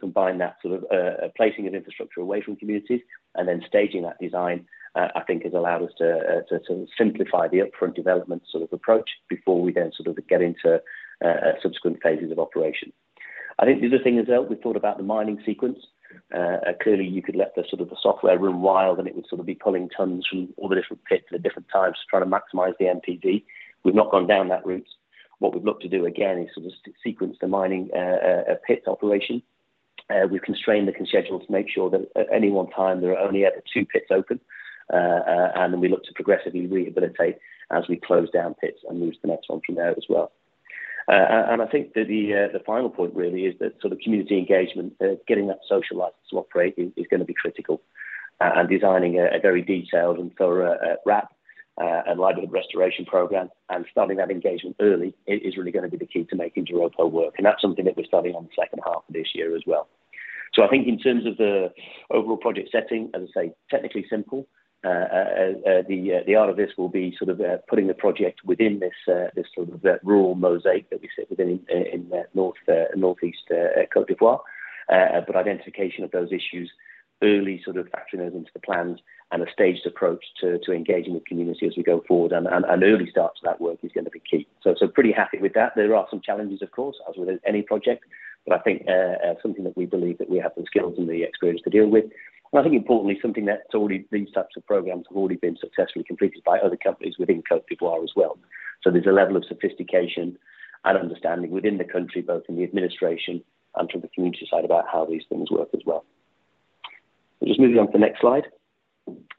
combine that sort of placing an infrastructure away from communities and then staging that design, I think has allowed us to simplify the upfront development sort of approach before we then sort of get into subsequent phases of operation. The other thing is that we thought about the mining sequence. Clearly, you could let the sort of the software run wild, and it would sort of be pulling tons from all the different pits at different times, trying to maximize the NPV. We've not gone down that route. What we've looked to do again, is sort of sequence the mining pit operation. We've constrained the schedule to make sure that at any one time, there are only ever two pits open, and then we look to progressively rehabilitate as we close down pits and move to the next one from there as well. I think the final point really is that sort of community engagement, getting that social license to operate is gonna be critical, and designing a very detailed and thorough wrap and liability restoration program and starting that engagement early is really gonna be the key to making Doropo work. That's something that we're starting on the second half of this year as well. I think in terms of the overall project setting, as I say, technically simple. The art of this will be sort of putting the project within this sort of rural mosaic that we sit within in the North, Northeast, Côte d'Ivoire. Identification of those issues, early sort of factoring those into the plans and a staged approach to engaging with community as we go forward, and early start to that work is gonna be key. Pretty happy with that. There are some challenges, of course, as with any project, but I think something that we believe that we have the skills and the experience to deal with. I think importantly, something that's already these types of programs have already been successfully completed by other companies within Côte d'Ivoire as well. There's a level of sophistication and understanding within the country, both in the administration and from the community side, about how these things work as well. Just moving on to the next slide.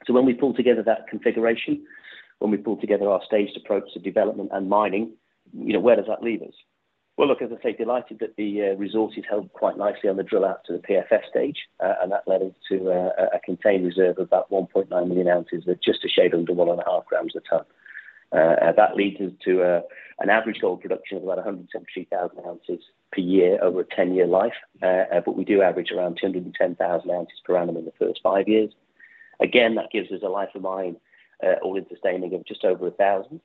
When we pull together that configuration, when we pull together our staged approach to development and mining, you know, where does that leave us? Look, as I say, delighted that the resource has held quite nicely on the drill out to the PFS stage, and that led us to a contained reserve of about 1.9 million ounces at just a shade under 1.5 grams a tonne. That leads us to an average gold production of about 170,000 ounces per year over a 10-year life. We do average around 210,000 ounces per annum in the first 5 years. Again, that gives us a life of mine, all in sustaining of just over 1,000,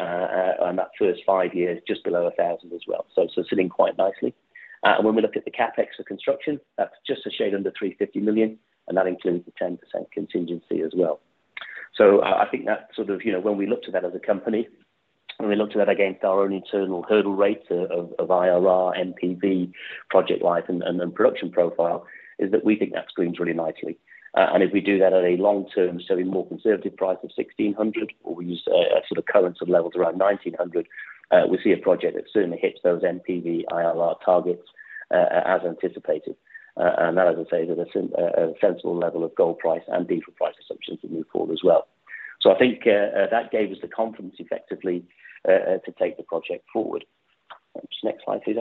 and that first 5 years, just below 1,000 as well. Sitting quite nicely. When we look at the CapEx for construction, that's just a shade under $350 million, and that includes the 10% contingency as well. I think that sort of, you know, when we look to that as a company, when we look to that against our own internal hurdle rates of IRR, NPV, project life and production profile, is that we think that screens really nicely. If we do that at a long term, so a more conservative price of $1,600, or we use a sort of current sort of levels around $1,900, we see a project that certainly hits those NPV, IRR targets as anticipated. That, as I say, is a sensible level of gold price and diesel price assumptions we move forward as well. I think that gave us the confidence effectively to take the project forward. Next slide, please.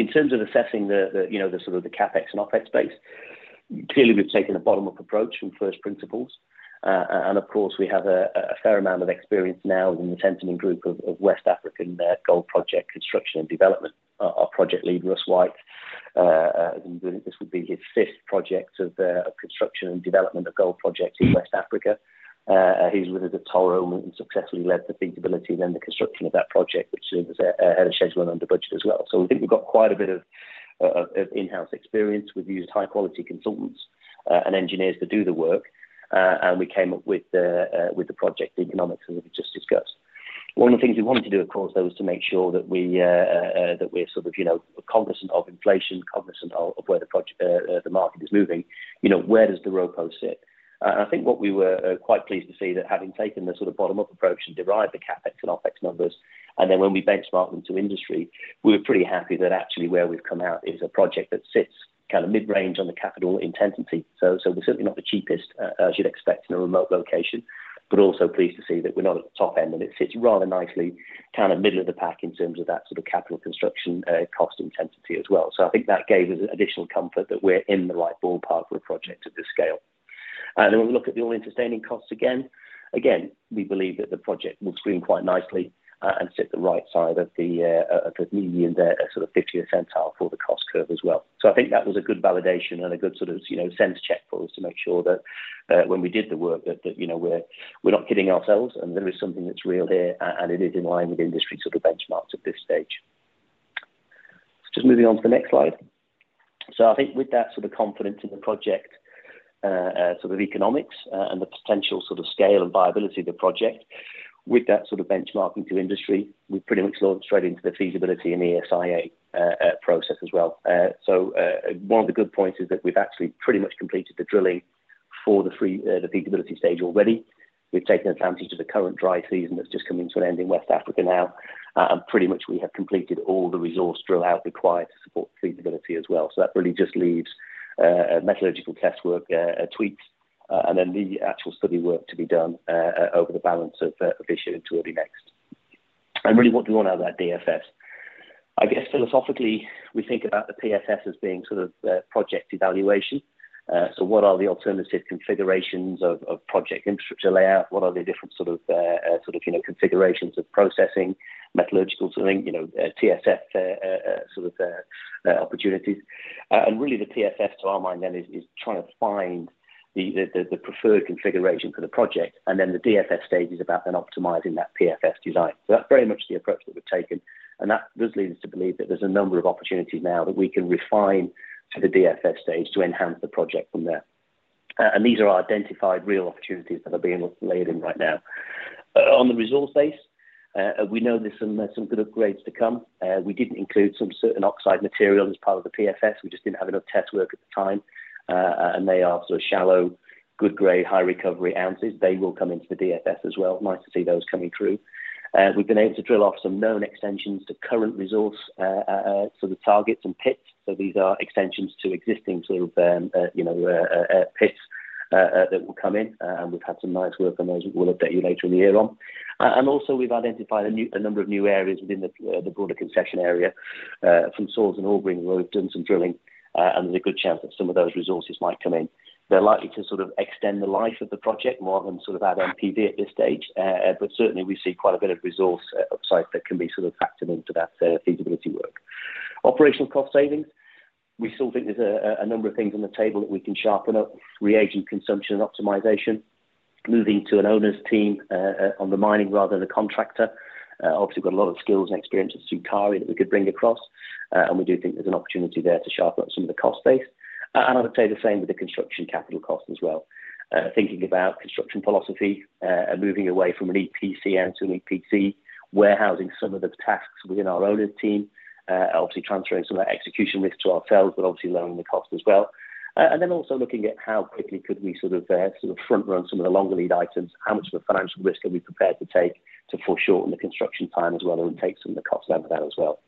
In terms of assessing, you know, the sort of the CapEx and OpEx base, clearly, we've taken a bottom-up approach from first principles. Of course, we have a fair amount of experience now in the Centamin Group of West African gold project construction and development. Our project lead, Russ White, this would be his fifth project of construction and development of gold projects in West Africa. He's with us at Toro and successfully led the feasibility, then the construction of that project, which was ahead of schedule and under budget as well. We think we've got quite a bit of in-house experience. We've used high-quality consultants and engineers to do the work, and we came up with the project economics, as we just discussed. One of the things we wanted to do, of course, though, was to make sure that we that we're sort of, you know, cognizant of inflation, cognizant of where the project the market is moving. You know, where does Doropo sit? I think what we were quite pleased to see that having taken the sort of bottom-up approach and derived the CapEx and OpEx numbers, and then when we benchmarked them to industry, we were pretty happy that actually where we've come out is a project that sits kind of mid-range on the capital intensity. We're certainly not the cheapest, as you'd expect in a remote location, but also pleased to see that we're not at the top end, and it sits rather nicely, kind of middle of the pack in terms of that sort of capital construction, cost intensity as well. I think that gave us additional comfort that we're in the right ballpark for a project of this scale. Then we look at the all-in sustaining costs again. Again, we believe that the project will screen quite nicely, and sit the right side of the median there, at sort of 50th percentile for the cost curve as well. I think that was a good validation and a good sort of, you know, sense check for us to make sure that, when we did the work, that, you know, we're not kidding ourselves, and there is something that's real here, and it is in line with industry sort of benchmarks at this stage. Just moving on to the next slide. I think with that sort of confidence in the project economics, and the potential sort of scale and viability of the project, with that sort of benchmarking to industry, we pretty much launched straight into the feasibility and ESIA process as well. One of the good points is that we've actually pretty much completed the drilling for the feasibility stage already. We've taken advantage of the current dry season that's just coming to an end in West Africa now, and pretty much we have completed all the resource drill out required to support the feasibility as well. That really just leaves, metallurgical test work, tweaks, and then the actual study work to be done over the balance of this year into early next. Really, what do we want out of that DFS? I guess philosophically, we think about the PFS as being sort of, project evaluation. What are the alternative configurations of project infrastructure layout? What are the different sort of, you know, configurations of processing, metallurgical sort of thing, you know, TSF, sort of, opportunities. Really, the PFS, to our mind, then, is trying to find the preferred configuration for the project, and then the DFS stage is about then optimizing that PFS design. That's very much the approach that we've taken, and that does lead us to believe that there's a number of opportunities now that we can refine to the DFS stage to enhance the project from there. These are identified real opportunities that are being laid in right now. On the resource base, we know there's some good upgrades to come. We didn't include some certain oxide material as part of the PFS. We just didn't have enough test work at the time. They are sort of shallow, good grade, high recovery ounces. They will come into the DFS as well. Nice to see those coming through. We've been able to drill off some known extensions to current resource, sort of targets and pits. These are extensions to existing sort of, you know, pits that will come in. We've had some nice work on those we'll update you later in the year on. Also, we've identified a number of new areas within the broader concession area, [from source and ore bring], where we've done some drilling. There's a good chance that some of those resources might come in. They're likely to sort of extend the life of the project more than sort of add NPV at this stage. Certainly, we see quite a bit of resource upside that can be sort of factored into that feasibility work. Operational cost savings. We still think there's a number of things on the table that we can sharpen up, reagent consumption and optimization, moving to an owner's team on the mining rather than a contractor. Obviously, we've got a lot of skills and experience at Sukari that we could bring across, and we do think there's an opportunity there to sharpen up some of the cost base. I would say the same with the construction capital cost as well. Thinking about construction philosophy, and moving away from an EPC and to an EPCM, warehousing some of the tasks within our owner's team, obviously transferring some of that execution risk to ourselves, but obviously lowering the cost as well. Then also looking at how quickly could we front-run some of the longer lead items, how much of a financial risk are we prepared to take to foreshorten the construction time as well, and take some of the costs out of that as well.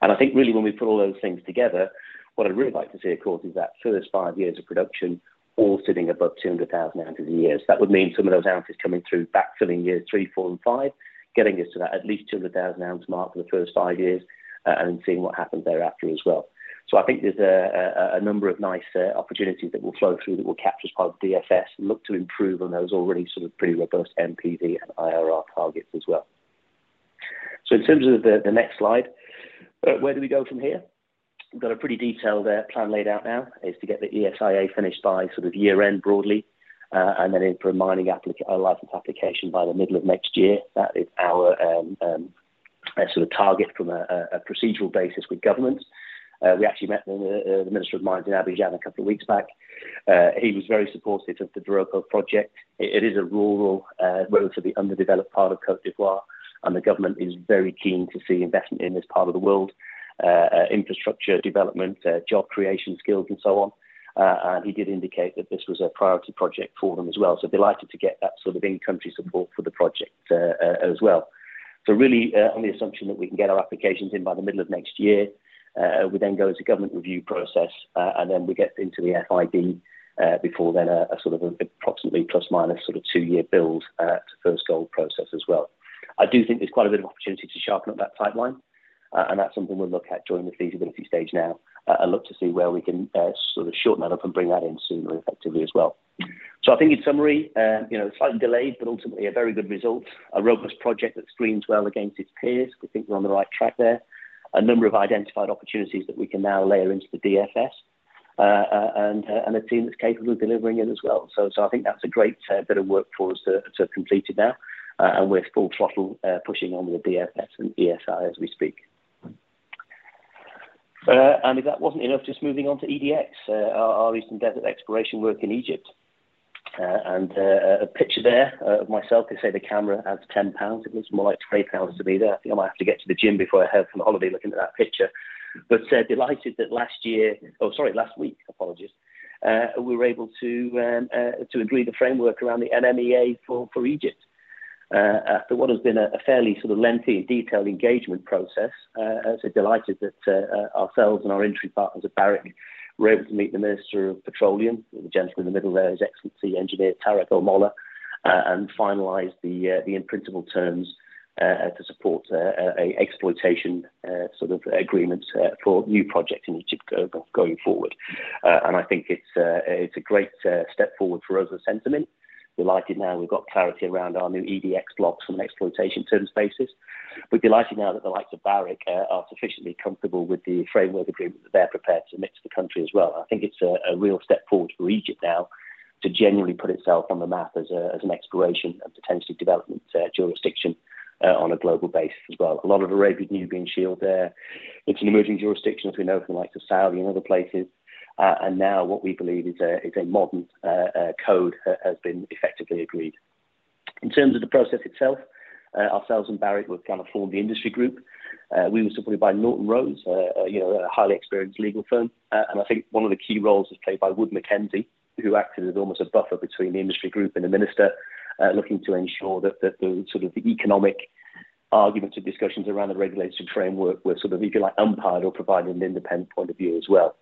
I think really when we put all those things together, what I'd really like to see, of course, is that first five years of production all sitting above 200,000 ounces a year. That would mean some of those ounces coming through backfilling year 3, 4, and 5, getting us to that at least 200,000 ounce mark for the first 5 years, and seeing what happens thereafter as well. I think there's a number of nice opportunities that will flow through, that will capture as part of DFS and look to improve on those already sort of pretty robust NPV and IRR targets as well. In terms of the next slide, where do we go from here? We've got a pretty detailed plan laid out now, is to get the ESIA finished by sort of year-end broadly, and then in for a license application by the middle of next year. That is our sort of target from a procedural basis with government. We actually met with the Minister of Mines in Abidjan a couple of weeks back. He was very supportive of the Doropo project. It is a rural, relatively underdeveloped part of Côte d'Ivoire, and the government is very keen to see investment in this part of the world, infrastructure development, job creation, skills, and so on. He did indicate that this was a priority project for them as well. Delighted to get that sort of in-country support for the project as well. Really, on the assumption that we can get our applications in by the middle of next year, we then go into government review process, and then we get into the FID before then, a sort of approximately ± sort of two-year build to first gold process as well. I do think there's quite a bit of opportunity to sharpen up that timeline, and that's something we'll look at during the feasibility stage now, and look to see where we can sort of shorten that up and bring that in sooner effectively as well. I think in summary, you know, slightly delayed, but ultimately a very good result. A robust project that screens well against its peers. We think we're on the right track there. A number of identified opportunities that we can now layer into the DFS, and a team that's capable of delivering it as well. I think that's a great bit of work for us to have completed now, and we're full throttle pushing on with the DFS and ESIA as we speak. If that wasn't enough, just moving on to EDX, our Eastern Desert exploration work in Egypt. A picture there of myself. They say the camera adds 10 pounds. It looks more like 20 pounds to me there. I think I might have to get to the gym before I have my holiday, looking at that picture. Delighted that last year... Sorry, last week, apologies, we were able to agree the framework around the NMEA for Egypt. After what has been a fairly lengthy and detailed engagement process, so delighted that ourselves and our entry partners at Barrick were able to meet the Minister of Petroleum, the gentleman in the middle there, His Excellency, Engineer Tarek El-Molla, and finalize the in-principle terms to support a exploitation agreement for new projects in Egypt going forward. I think it's a great step forward for us at Centamin. We like it now we've got clarity around our new EDX blocks and exploitation terms basis. We'd be likely now that the likes of Barrick are sufficiently comfortable with the framework agreement that they're prepared to admit to the country as well. I think it's a real step forward for Egypt now to genuinely put itself on the map as an exploration and potentially development jurisdiction on a global basis as well. A lot of Arabian Nubian Shield there. It's an emerging jurisdiction, as we know, from the likes of Saudi and other places. Now what we believe is a modern code has been effectively agreed. In terms of the process itself, ourselves and Barrick, we've kind of formed the industry group. We were supported by Norton Rose, you know, a highly experienced legal firm. I think one of the key roles is played by Wood Mackenzie, who acted as almost a buffer between the industry group and the minister, looking to ensure that the sort of the economic arguments and discussions around the regulatory framework were sort of, if you like, umpired or provided an independent point of view as well.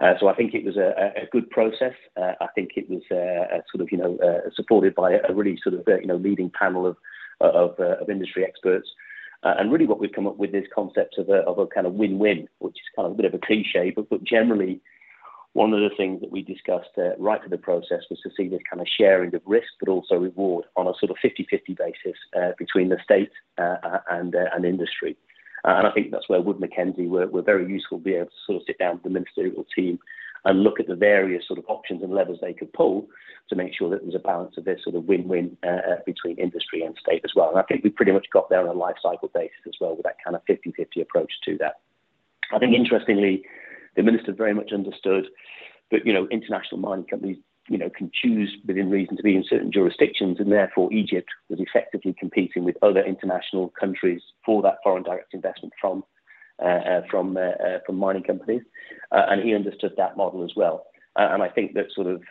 I think it was a good process. I think it was a sort of, you know, supported by a really sort of, you know, leading panel of industry experts. Really what we've come up with this concept of a, of a kind of win-win, which is kind of a bit of a cliché, but generally, one of the things that we discussed right at the process was to see this kind of sharing of risk, but also reward on a sort of 50/50 basis between the state and the, and industry. I think that's where Wood Mackenzie were very useful, being able to sort of sit down with the ministerial team and look at the various sort of options and levers they could pull to make sure that there was a balance of this sort of win-win between industry and state as well. I think we pretty much got there on a life cycle basis as well with that kind of 50/50 approach to that. I think interestingly, the minister very much understood that, you know, international mining companies, you know, can choose within reason to be in certain jurisdictions, and therefore, Egypt was effectively competing with other international countries for that foreign direct investment from mining companies. He understood that model as well. I think that sort of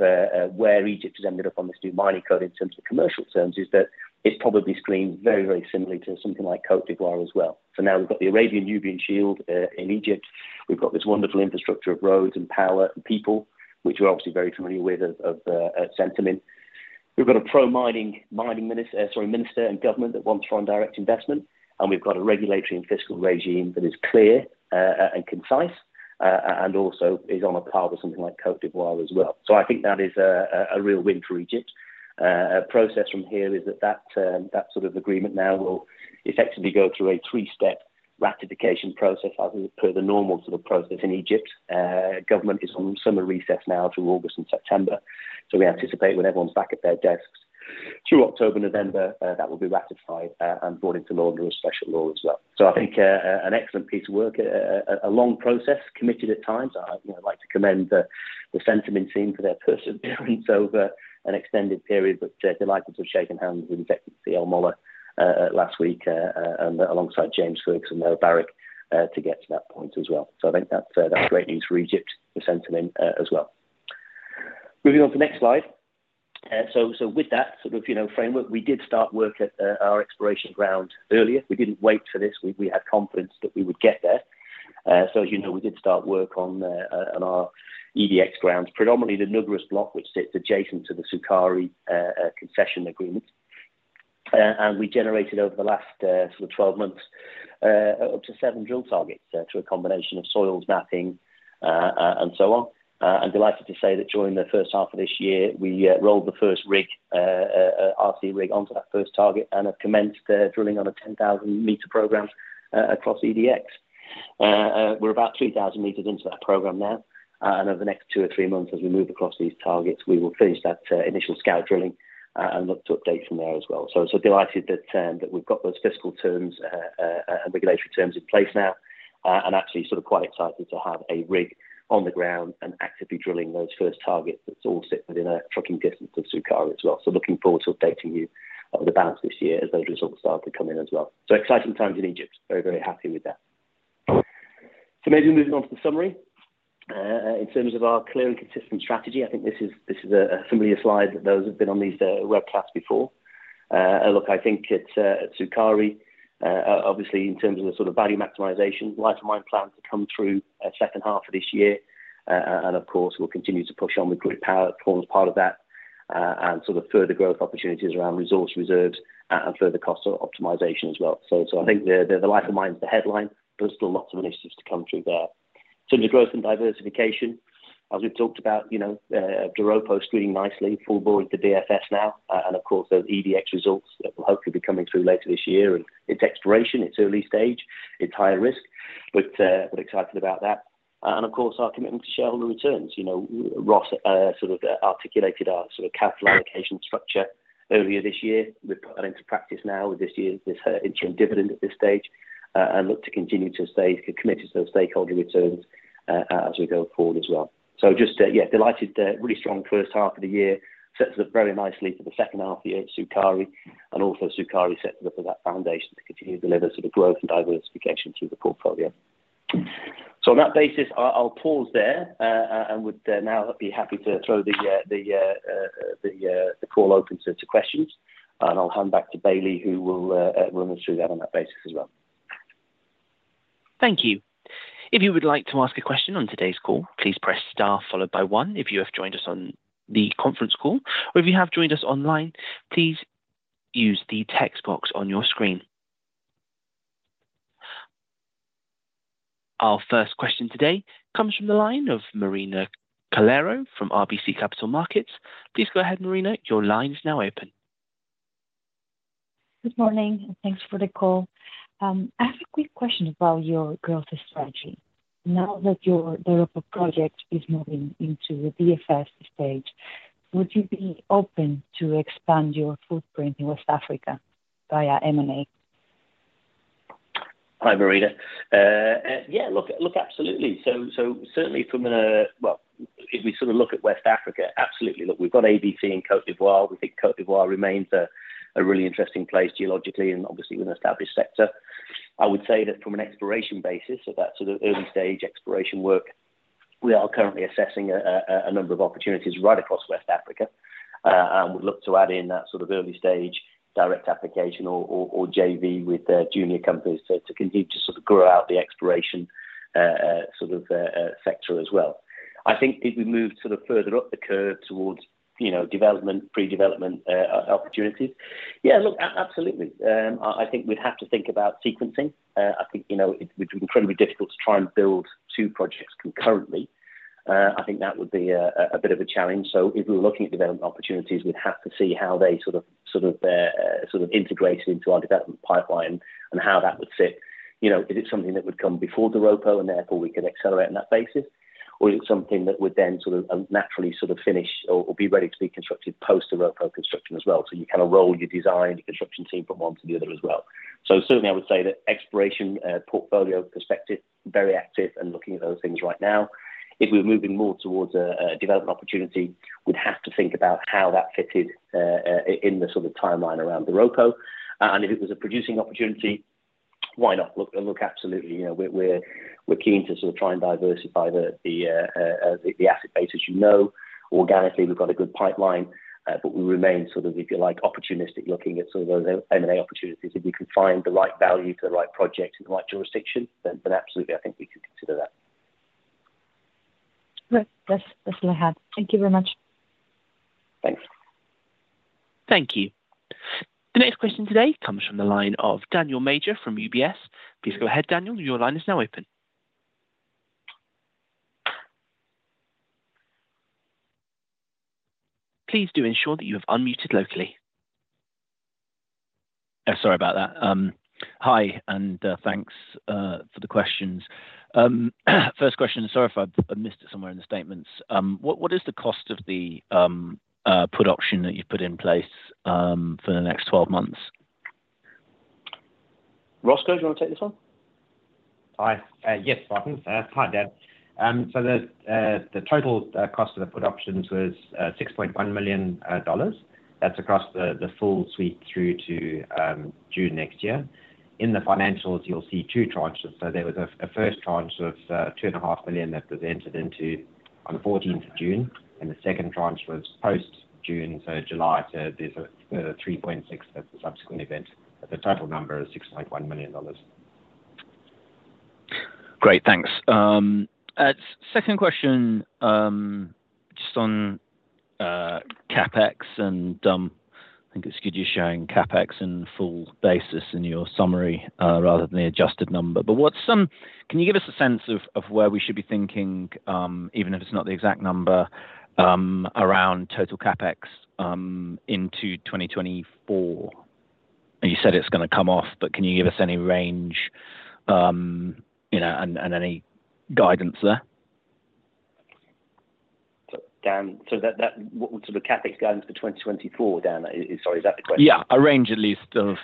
where Egypt has ended up on this new mining code in terms of commercial terms, is that it probably screened very, very similarly to something like Côte d'Ivoire as well. Now we've got the Arabian Nubian Shield in Egypt. We've got this wonderful infrastructure of roads and power and people, which we're obviously very familiar with at Centamin. We've got a pro-mining, mining minister, sorry, Minister and government that wants foreign direct investment. We've got a regulatory and fiscal regime that is clear and concise and also is on a par with something like Côte d'Ivoire as well. I think that is a real win for Egypt. A process from here is that that sort of agreement now will effectively go through a three-step ratification process, as per the normal sort of process in Egypt. Government is on summer recess now through August and September, we anticipate when everyone's back at their desks through October, November, that will be ratified and brought into law under a special law as well. I think an excellent piece of work, a long process, committed at times. I, you know, like to commend the Centamin team for their perseverance over an extended period, but delighted to have shaken hands with His Excellency El-Molla last week, and alongside James Ferguson there at Barrick to get to that point as well. I think that's great news for Egypt, for Centamin as well. Moving on to the next slide. With that sort of, you know, framework, we did start work at our exploration ground earlier. We didn't wait for this. We had confidence that we would get there. You know, we did start work on our EDX grounds, predominantly the Nuqrus block, which sits adjacent to the Sukari concession agreement. We generated over the last 12 months up to 7 drill targets through a combination of soils mapping and so on. I'm delighted to say that during the first half of this year, we rolled the first RC rig onto that first target and have commenced drilling on a 10,000 meter program across EDX. We're about 2,000 meters into that program now, and over the next 2 or 3 months, as we move across these targets, we will finish that initial scout drilling and look to update from there as well. Delighted that we've got those fiscal terms, and regulatory terms in place now, and actually sort of quite excited to have a rig on the ground and actively drilling those first targets that all sit within a trucking distance of Sukari as well. Looking forward to updating you on the balance this year as those results start to come in as well. Exciting times in Egypt. Very, very happy with that. Maybe moving on to the summary. In terms of our clear and consistent strategy, I think this is, this is a familiar slide that those have been on these webcasts before. look, I think at Sukari, obviously, in terms of the sort of value maximisation, life of mine plans to come through, second half of this year. Of course, we'll continue to push on with grid power as part of that, and sort of further growth opportunities around resource reserves and further cost optimization as well. I think the life of mine is the headline, but there's still lots of initiatives to come through there. In the growth and diversification, as we've talked about, you know, Doropo is doing nicely, full board to DFS now, and of course, those EDX results that will hopefully be coming through later this year. It's exploration, it's early stage, it's higher risk, but excited about that. Of course, our commitment to shareholder returns. You know, Ross sort of articulated our sort of capital allocation structure earlier this year. We are putting it into practice now with this year's, this interim dividend at this stage, and look to continue to stay committed to those stakeholder returns as we go forward as well. Just, yeah, delighted that really strong first half of the year sets us up very nicely for the second half of the year at Sukari, and also Sukari sets up that foundation to continue to deliver sort of growth and diversification through the portfolio. On that basis, I'll pause there and would now be happy to throw the call open to questions, and I'll hand back to Bailey, who will run us through that on that basis as well. Thank you. If you would like to ask a question on today's call, please press star followed by one if you have joined us on the conference call, or if you have joined us online, please use the text box on your screen. Our first question today comes from the line of Marina Calero from RBC Capital Markets. Please go ahead, Marina. Your line is now open. Good morning, thanks for the call. I have a quick question about your growth strategy. Now that your Doropo project is moving into the DFS stage, would you be open to expand your footprint in West Africa via M&A? Hi, Marina. Yeah, look, absolutely. Certainly. Well, if we sort of look at West Africa, absolutely. Look, we've got ABC in Côte d'Ivoire. We think Côte d'Ivoire remains a really interesting place geologically, and obviously, with an established sector. I would say that from an exploration basis, so that sort of early-stage exploration work, we are currently assessing a number of opportunities right across West Africa, and we'd look to add in that sort of early-stage direct application or JV with the junior companies to continue to sort of grow out the exploration sort of sector as well. I think if we move sort of further up the curve towards, you know, development, pre-development opportunities, yeah, look, absolutely. I think we'd have to think about sequencing. I think, you know, it would be incredibly difficult to try and build two projects concurrently. I think that would be a bit of a challenge. If we're looking at development opportunities, we'd have to see how they sort of integrated into our development pipeline and how that would fit. You know, is it something that would come before Doropo, and therefore, we could accelerate on that basis? Or is it something that would then sort of naturally sort of finish or be ready to be constructed post-Doropo construction as well, so you kind of roll your design, your construction team from one to the other as well. Certainly, I would say that exploration portfolio perspective, very active and looking at those things right now. If we're moving more towards a development opportunity, we'd have to think about how that fitted in the sort of timeline around Doropo. If it was a producing opportunity, why not? Absolutely. You know, we're keen to sort of try and diversify the asset base, as you know. Organically, we've got a good pipeline, but we remain sort of, if you like, opportunistic, looking at sort of those M&A opportunities. If we can find the right value for the right project in the right jurisdiction, then absolutely, I think we could consider that. Great. That's all I have. Thank you very much. Thanks. Thank you. The next question today comes from the line of Daniel Major from UBS. Please go ahead, Daniel. Your line is now open. Please do ensure that you have unmuted locally. Sorry about that. Hi, and thanks for the questions. First question, sorry if I missed it somewhere in the statements. What is the cost of the put option that you've put in place for the next 12 months? Ross, do you want to take this one? Hi. Yes, Martin. Hi, Dan. The total cost of the put options was $6.1 million. That's across the full suite through to June next year. In the financials, you'll see two tranches. There was a first tranche of $two and a half million that was entered into on the 14th of June, and the second tranche was post-June, so July. There's a $3.6 million at the subsequent event, but the total number is $6.1 million. Great, thanks. Second question, just on CapEx. I think it's good you're showing CapEx in full basis in your summary, rather than the adjusted number. Can you give us a sense of where we should be thinking, even if it's not the exact number, around total CapEx into 2024? You said it's going to come off, but can you give us any range, you know, and any guidance there? Dan, so that, what sort of CapEx guidance for 2024, Dan? Sorry, is that the question? A range at least of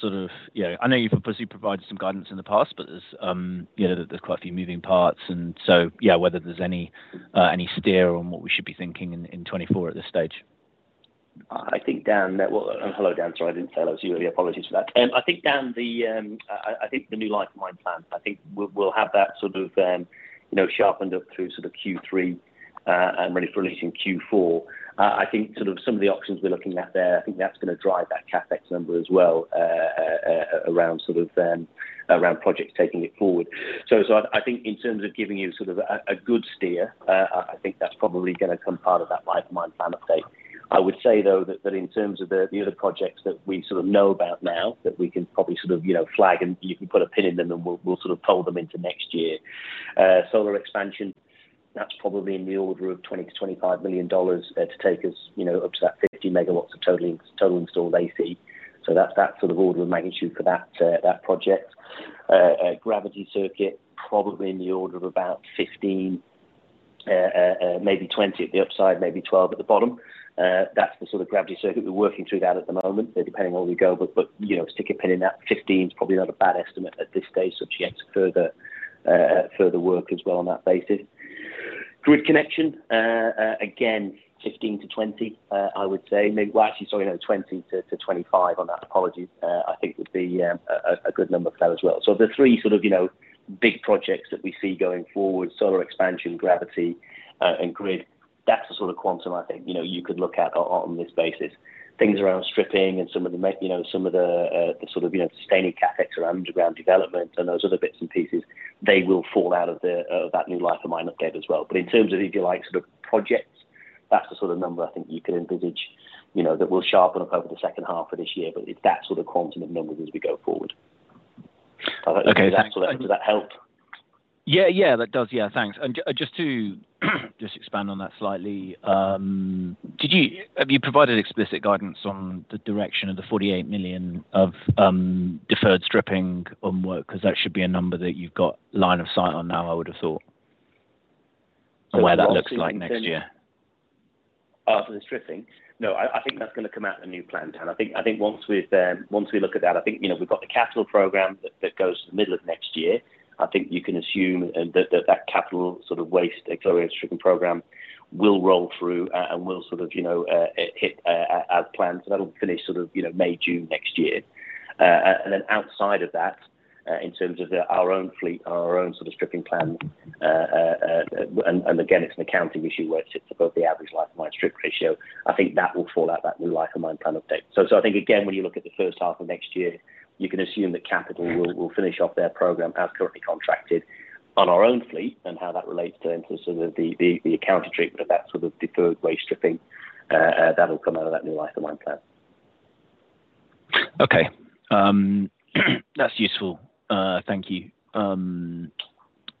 sort of. I know you've previously provided some guidance in the past, but there's, you know, there's quite a few moving parts, whether there's any steer on what we should be thinking in 2024 at this stage. I think, Dan, Hello, Dan. Sorry, I didn't say that was you. Apologies for that. I think, Dan, I think the new life of mine plan, I think we'll have that sort of, you know, sharpened up through sort of Q3 and ready for release in Q4. I think sort of some of the options we're looking at there, I think that's going to drive that CapEx number as well, around sort of around projects taking it forward. I think in terms of giving you sort of a good steer, I think that's probably going to come part of that life of mine plan update. I would say, though, that in terms of the other projects that we sort of know about now, that we can probably sort of, you know, flag and you can put a pin in them, and we'll sort of pull them into next year. Solar expansion, that's probably in the order of $20 million-$25 million to take us, you know, up to that 50 megawatts of total install AC. That's that sort of order of magnitude for that project. Gravity Circuit, probably in the order of about 15, maybe 20 at the upside, maybe 12 at the bottom. That's the sort of Gravity Circuit. We're working through that at the moment, depending on where we go, but, you know, stick a pin in that. 15 is probably not a bad estimate at this stage, subject to further work as well on that basis. Grid connection, again, 15-20, I would say. Maybe, well, actually, sorry, no, 20-25 on that. Apologies, I think would be a good number for that as well. The 3 sort of, you know, big projects that we see going forward, solar expansion, gravity, and grid, that's the sort of quantum I think, you know, you could look at on this basis. Things around stripping and some of the you know, some of the sort of, you know, sustaining CapEx around underground development and those other bits and pieces, they will fall out of the that new life of mine update as well. In terms of, if you like, sort of projects, that's the sort of number I think you can envisage, you know, that we'll sharpen up over the second half of this year. It's that sort of quantum of numbers as we go forward. Okay. Does that help? Yeah, that does. Thanks. Just to expand on that slightly, have you provided explicit guidance on the direction of the $48 million of deferred stripping on work, because that should be a number that you've got line of sight on now, I would have thought, on where that looks like next year? After the stripping? No, I think that's going to come out in the new plan, Dan. I think once we've, once we look at that, you know, we've got the capital program that goes to the middle of next year. I think you can assume that capital sort of waste accelerated stripping program will roll through and will sort of, you know, hit as planned. That'll finish sort of, you know, May, June next year. Then outside of that, in terms of our own fleet, our own sort of stripping plan, and again, it's an accounting issue where it sits above the average life of mine strip ratio. I think that will fall out that new life of mine plan update. I think again, when you look at the first half of next year, you can assume that capital will finish off their program as currently contracted on our own fleet and how that relates to in sort of the accounting treatment of that sort of deferred waste stripping that'll come out of that new life of mine plan. Okay, that's useful. Thank you.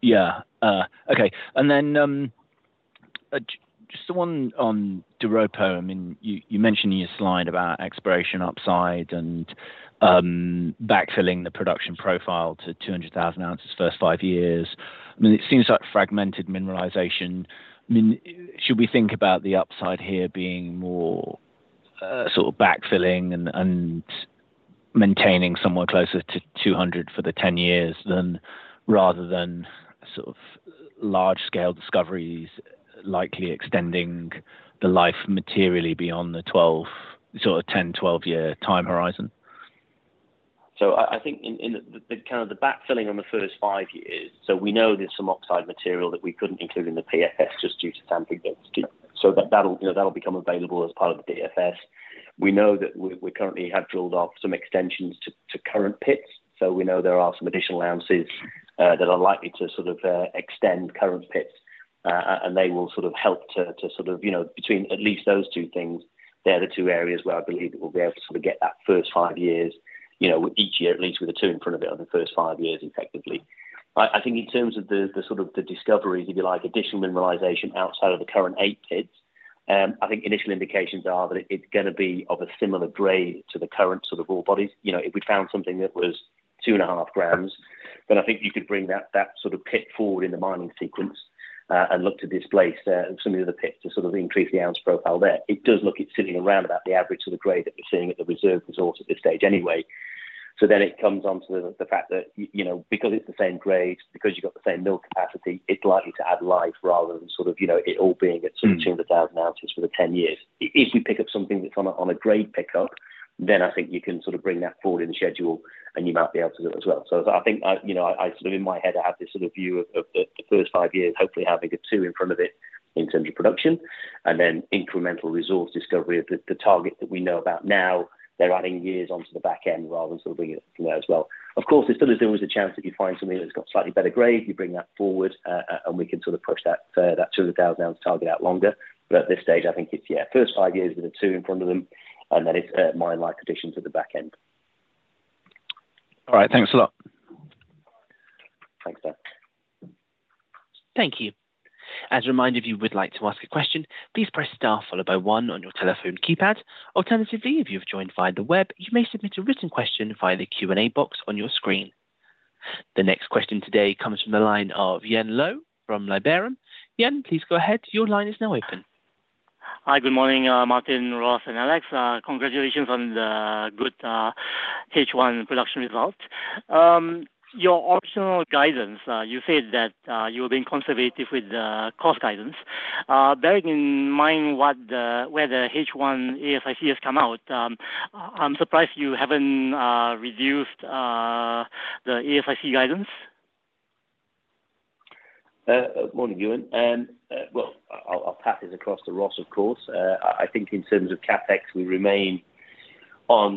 Yeah, okay. Just the one on Doropo. I mean, you mentioned in your slide about exploration upside and, backfilling the production profile to 200,000 ounces first 5 years. I mean, it seems like fragmented mineralization. I mean, should we think about the upside here being more, sort of backfilling and maintaining somewhere closer to 200 for the 10 years than, rather than sort of large-scale discoveries, likely extending the life materially beyond the 12, sort of 10, 12-year time horizon? I think in the kind of the backfilling on the first 5 years, so we know there's some oxide material that we couldn't include in the PFS just due to sampling. That, that'll, you know, that'll become available as part of the DFS. We know that we currently have drilled off some extensions to current pits, so we know there are some additional ounces that are likely to sort of extend current pits, and they will sort of help to sort of, you know, between at least those two things, they are the two areas where I believe we'll be able to sort of get that first 5 years, you know, each year, at least with a 2 in front of it, on the first 5 years, effectively. I think in terms of the sort of the discoveries, if you like, additional mineralization outside of the current eight pits, I think initial indications are that it's gonna to be of a similar grade to the current sort of ore bodies. You know, if we found something that was 2.5 grams-. I think you could bring that sort of pit forward in the mining sequence, and look to displace some of the other pits to sort of increase the ounce profile there. It does look it's sitting around about the average of the grade that we're seeing at the reserve resource at this stage anyway. It comes on to the fact that, you know, because it's the same grade, because you've got the same mill capacity, it's likely to add life rather than sort of, you know, it all being at sort of 200,000 ounces for the 10 years. If we pick up something that's on a, on a grade pickup, then I think you can sort of bring that forward in the schedule, and you might be able to do it as well. I think I, you know, I sort of in my head, I have this sort of view of the first 5 years, hopefully having a 2 in front of it in terms of production, and then incremental resource discovery of the target that we know about now. They're adding years onto the back end rather than sort of bringing it forward as well. Of course, there still is always a chance that you find something that's got slightly better grade, you bring that forward, and we can sort of push that 200,000-ounce target out longer. At this stage, I think it's, yeah, first five years with a 2 in front of them, and then it's mine life addition to the back end. All right. Thanks a lot. Thanks, Dan. Thank you. As a reminder, if you would like to ask a question, please press star followed by one on your telephone keypad. Alternatively, if you've joined via the web, you may submit a written question via the Q&A box on your screen. The next question today comes from the line of Yuen Low from Liberum. Yuen, please go ahead. Your line is now open. Hi, good morning, Martin, Ross, and Alex. Congratulations on the good H1 production result. Your optional guidance, you said that you were being conservative with the cost guidance. Bearing in mind what the, where the H1 AISC has come out, I'm surprised you haven't reduced the AISC guidance. Morning, Yuen. Well, I'll pass this across to Ross, of course. I think in terms of CapEx, we remain on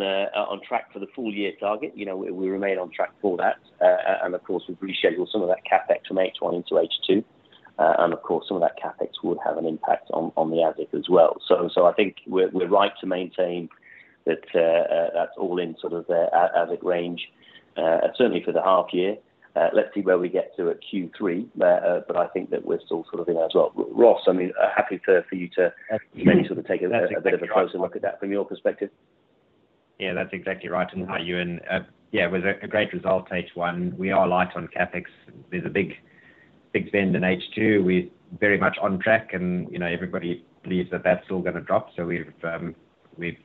track for the full year target. You know, we remain on track for that. And of course, we've rescheduled some of that CapEx from H1 into H2. And of course, some of that CapEx would have an impact on the AISC as well. I think we're right to maintain that's all in sort of the AISC range, certainly for the half year. Let's see where we get to at Q3. I think that we're still sort of in as well. Ross, I mean, happy for you to maybe sort of take a closer look at that from your perspective. Yeah, that's exactly right. Hi, Yuen. Yeah, it was a great result, H1. We are light on CapEx. There's a big spend in H2. We're very much on track, and, you know, everybody believes that that's all going to drop. We've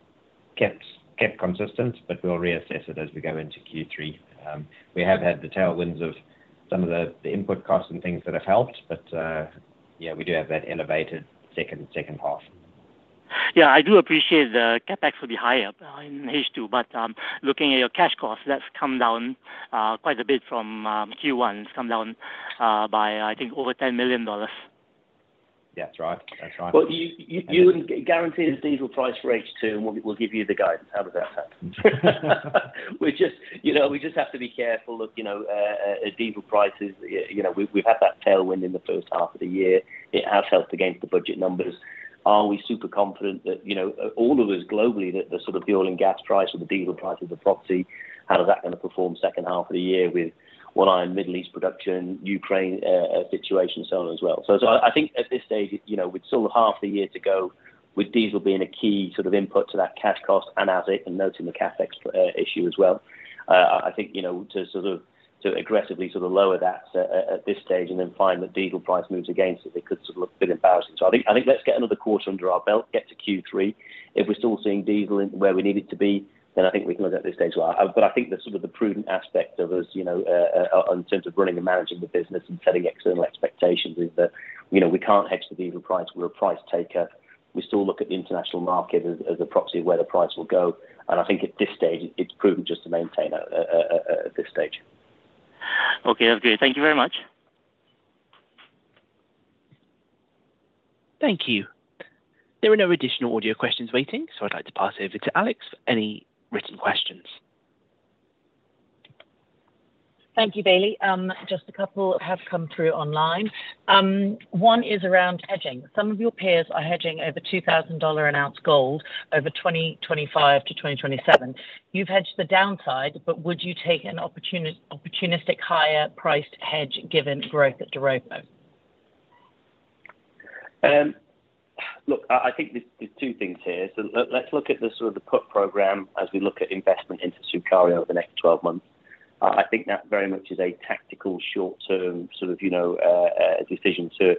kept consistent, but we'll reassess it as we go into Q3. We have had the tailwinds of some of the input costs and things that have helped, but, yeah, we do have that elevated second half. Yeah, I do appreciate the CapEx will be higher in H2, but looking at your cash cost, that's come down quite a bit from Q1. It's come down by, I think, over $10 million. Yeah, that's right. That's right. You, Yuen, guarantee the diesel price for H2, and we'll give you the guidance. How about that? We just, you know, have to be careful of, you know, diesel prices. You know, we've had that tailwind in the first half of the year. It has helped against the budget numbers. Are we super confident that, you know, all of us globally, that the sort of the oil and gas price or the diesel price is a proxy, how is that going to perform second half of the year with one eye on Middle East production, Ukraine, situation, so on as well? I think at this stage, you know, with sort of half the year to go, with diesel being a key sort of input to that cash cost and AISC, and noting the CapEx issue as well, I think, you know, to sort of to aggressively sort of lower that at this stage and then find the diesel price moves against it could sort of look a bit embarrassing. I think let's get another quarter under our belt, get to Q3. If we're still seeing diesel in where we need it to be, then I think we can look at this stage well. I think the sort of the prudent aspect of us, you know, in terms of running and managing the business and setting external expectations is that, you know, we can't hedge the diesel price. We're a price taker. We still look at the international market as a proxy of where the price will go. I think at this stage, it's prudent just to maintain at this stage. Okay, that's great. Thank you very much. Thank you. There are no additional audio questions waiting, so I'd like to pass over to Alex for any written questions. Thank you, Bailey. Just a couple have come through online. One is around hedging. Some of your peers are hedging over $2,000 an ounce gold over 2025 to 2027. You've hedged the downside, would you take an opportunist, opportunistic higher-priced hedge given growth at Doropo? Look, I think there's 2 things here. Let's look at the sort of the put program as we look at investment into Sukari over the next 12 months. I think that very much is a tactical, short-term sort of, you know, decision to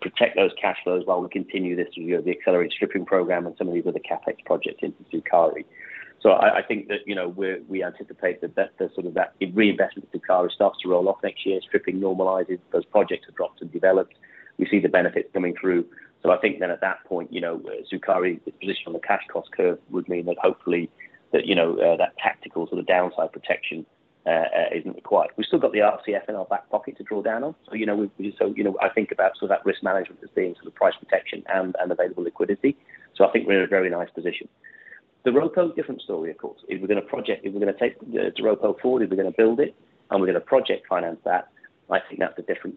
protect those cash flows while we continue this, you know, the accelerated stripping program and some of the other CapEx projects into Sukari. I think that, you know, we anticipate that the sort of that reinvestment in Sukari starts to roll off next year, stripping normalizes, those projects are dropped and developed. We see the benefits coming through. I think at that point, you know, Sukari, its position on the cash cost curve would mean that hopefully, that, you know, that tactical sort of downside protection isn't required. We've still got the RCF in our back pocket to draw down on. you know, I think about sort of that risk management as being sort of price protection and available liquidity. I think we're in a very nice position. The Doropo, different story, of course. If we're going to take the Doropo forward, if we're going to build it, and we're going to project finance that, I think that's a different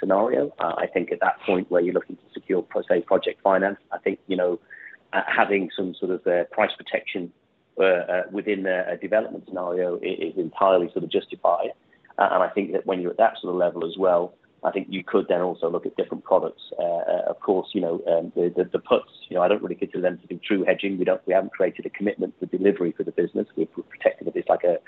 scenario. I think at that point, where you're looking to secure, say, project finance, I think, you know, having some sort of price protection within a development scenario is entirely sort of justified. I think that when you're at that sort of level as well, I think you could then also look at different products. Of course, you know, the puts, you know, I don't really consider them to be true hedging. We haven't created a commitment to delivery for the business. We've protected a bit like a,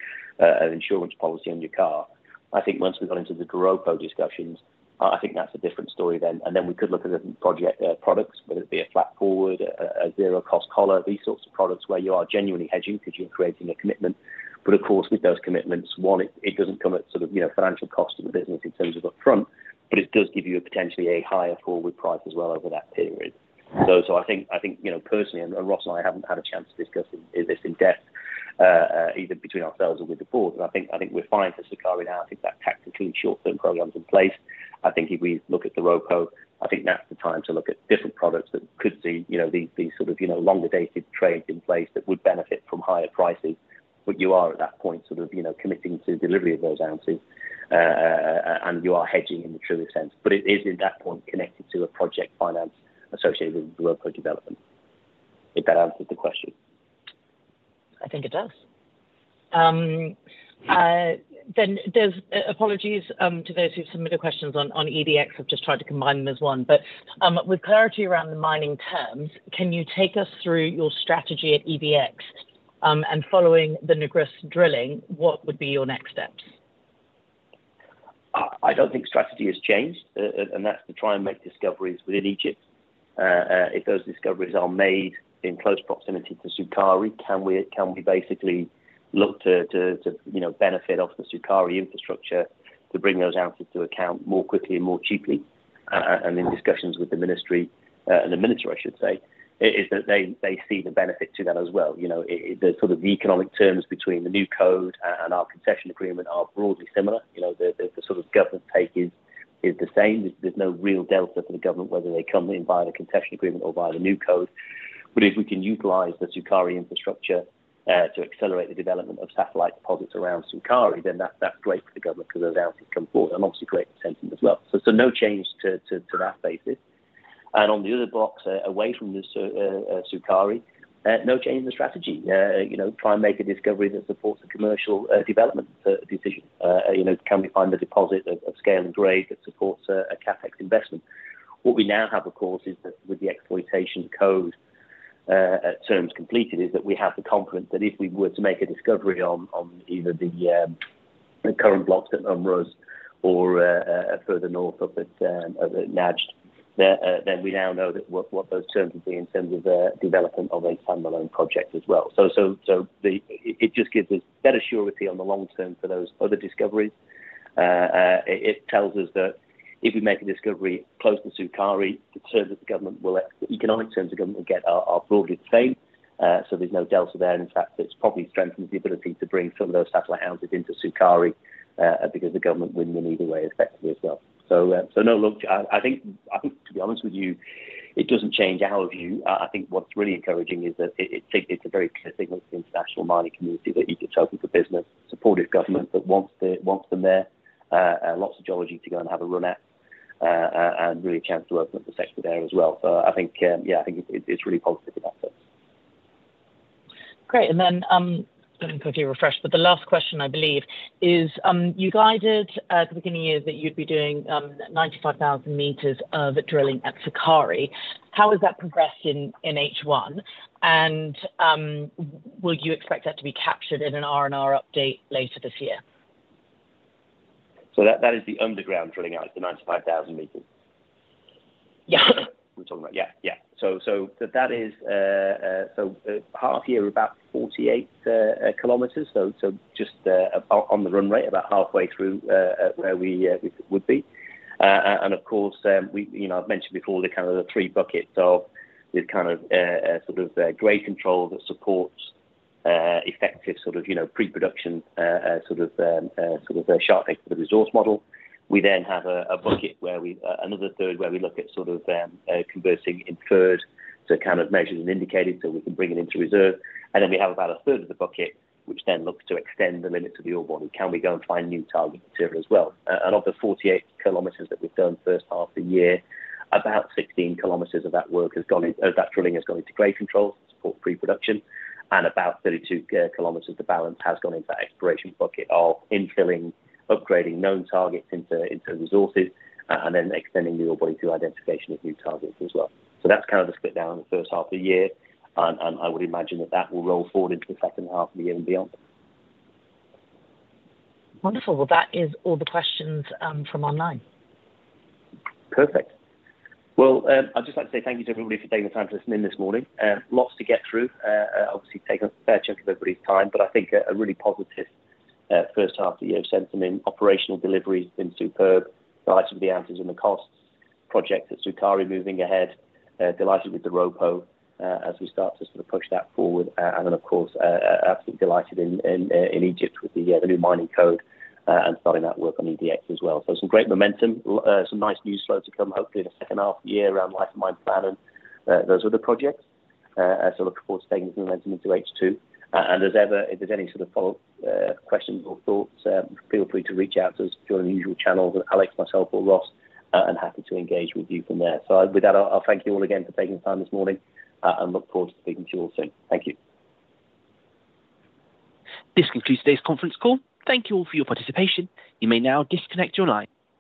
an insurance policy on your car. I think once we got into the Doropo discussions. I think that's a different story then. Then we could look at the project products, whether it be a flat forward, a zero-cost collar, these sorts of products where you are genuinely hedging because you're creating a commitment. Of course, with those commitments, one, it doesn't come at sort of, you know, financial cost to the business in terms of upfront, but it does give you a potentially a higher forward price as well over that period. I think, you know, personally, and Ross and I haven't had a chance to discuss this in depth, either between ourselves or with the board, but I think we're fine for Sukari now. I think that tactically short-term program's in place. I think if we look at Doropo, I think that's the time to look at different products that could see, you know, the sort of, you know, longer-dated trades in place that would benefit from higher prices. You are at that point, sort of, you know, committing to delivery of those ounces, and you are hedging in the truest sense. It is at that point connected to a project finance associated with the Doropo development. If that answers the question. I think it does. There's apologies to those who've submitted questions on EDX. I've just tried to combine them as one. With clarity around the mining terms, can you take us through your strategy at EDX? Following the Nuqrus drilling, what would be your next steps? tegy has changed, and that's to try and make discoveries within Egypt. If those discoveries are made in close proximity to Sukari, can we basically look to, to, you know, benefit off the Sukari infrastructure to bring those ounces to account more quickly and more cheaply? And in discussions with the Ministry of Petroleum, and the Minister of Petroleum and Mineral Resources, I should say, is that they see the benefit to that as well. You know, the sort of economic terms between the new code and our concession agreement are broadly similar. You know, the sort of government take is the same. There's no real delta for the government, whether they come in via the concession agreement or via the new code. If we can utilize the Sukari infrastructure to accelerate the development of satellite deposits around Sukari, then that's great for the government because those ounces come forward and obviously great for Centamin as well. No change to that basis. On the other blocks, away from the Sukari, no change in the strategy. You know, try and make a discovery that supports a commercial development decision. You know, can we find a deposit of scale and grade that supports a CapEx investment? What we now have, of course, is that with the exploitation code terms completed, is that we have the confidence that if we were to make a discovery on either the current blocks at Um Rus or further north up at Najd, then then we now know that what those terms would be in terms of development of a standalone project as well. It just gives us better surety on the long term for those other discoveries. It tells us that if we make a discovery close to Sukari, economic terms the government will get are broadly the same, so there's no delta there. In fact, it's probably strengthens the ability to bring some of those satellite ounces into Sukari, because the government wins them either way, effectively as well. No, look, I think to be honest with you, it doesn't change our view. I think what's really encouraging is that it, it's a very clear signal to the international mining community that Egypt's open for business, supportive government that wants them, wants them there, and lots of geology to go and have a run at, and really a chance to open up the sector there as well. I think, yeah, I think it's really positive about this. Great. Let me quickly refresh. The last question, I believe, is, you guided at the beginning of the year that you'd be doing 95,000 meters of drilling at Sukari. How has that progressed in H1? Would you expect that to be captured in an R&R update later this year? that is the underground drilling out, the 95,000 m? Yeah. We're talking about, yeah. That is half year, about 48 km, just on the run rate, about halfway through where we would be. Of course, we, you know, I've mentioned before the kind of the 3 buckets of this kind of sort of grade control that supports effective sort of, you know, preproduction sort of a sharp edge for the resource model. We then have a bucket where we another third, where we look at sort of converting inferred to kind of measured and indicated, so we can bring it into reserve. Then we have about a third of the bucket, which then looks to extend the limits of the ore body. Can we go and find new target material as well? Of the 48 km that we've done first half the year, about 16 km of that drilling has gone into grade control to support preproduction, and about 32 km, the balance has gone into that exploration bucket of infilling, upgrading known targets into resources, and then extending the ore body through identification of new targets as well. That's kind of the split down in the first half of the year, and I would imagine that that will roll forward into the second half of the year and beyond. Wonderful. That is all the questions from online. Perfect. I'd just like to say thank you to everybody for taking the time to listen in this morning. Lots to get through, obviously, taken a fair chunk of everybody's time, but I think a really positive first half of the year sentiment. Operational delivery has been superb. Delighted with the ounces and the costs, projects at Sukari moving ahead. Delighted with the Doropo, as we start to sort of push that forward. Of course, absolutely delighted in Egypt with the new mining code, and starting that work on EDX as well. Some great momentum, some nice news flow to come, hopefully in the second half of the year around life of mine plan and those other projects. Looking forward to taking some momentum into H2. As ever, if there's any sort of follow-up, questions or thoughts, feel free to reach out to us through our usual channels, Alex, myself, or Ross, and happy to engage with you from there. With that, I'll thank you all again for taking the time this morning, and look forward to speaking to you all soon. Thank you. This concludes today's conference call. Thank you all for your participation. You may now disconnect your line.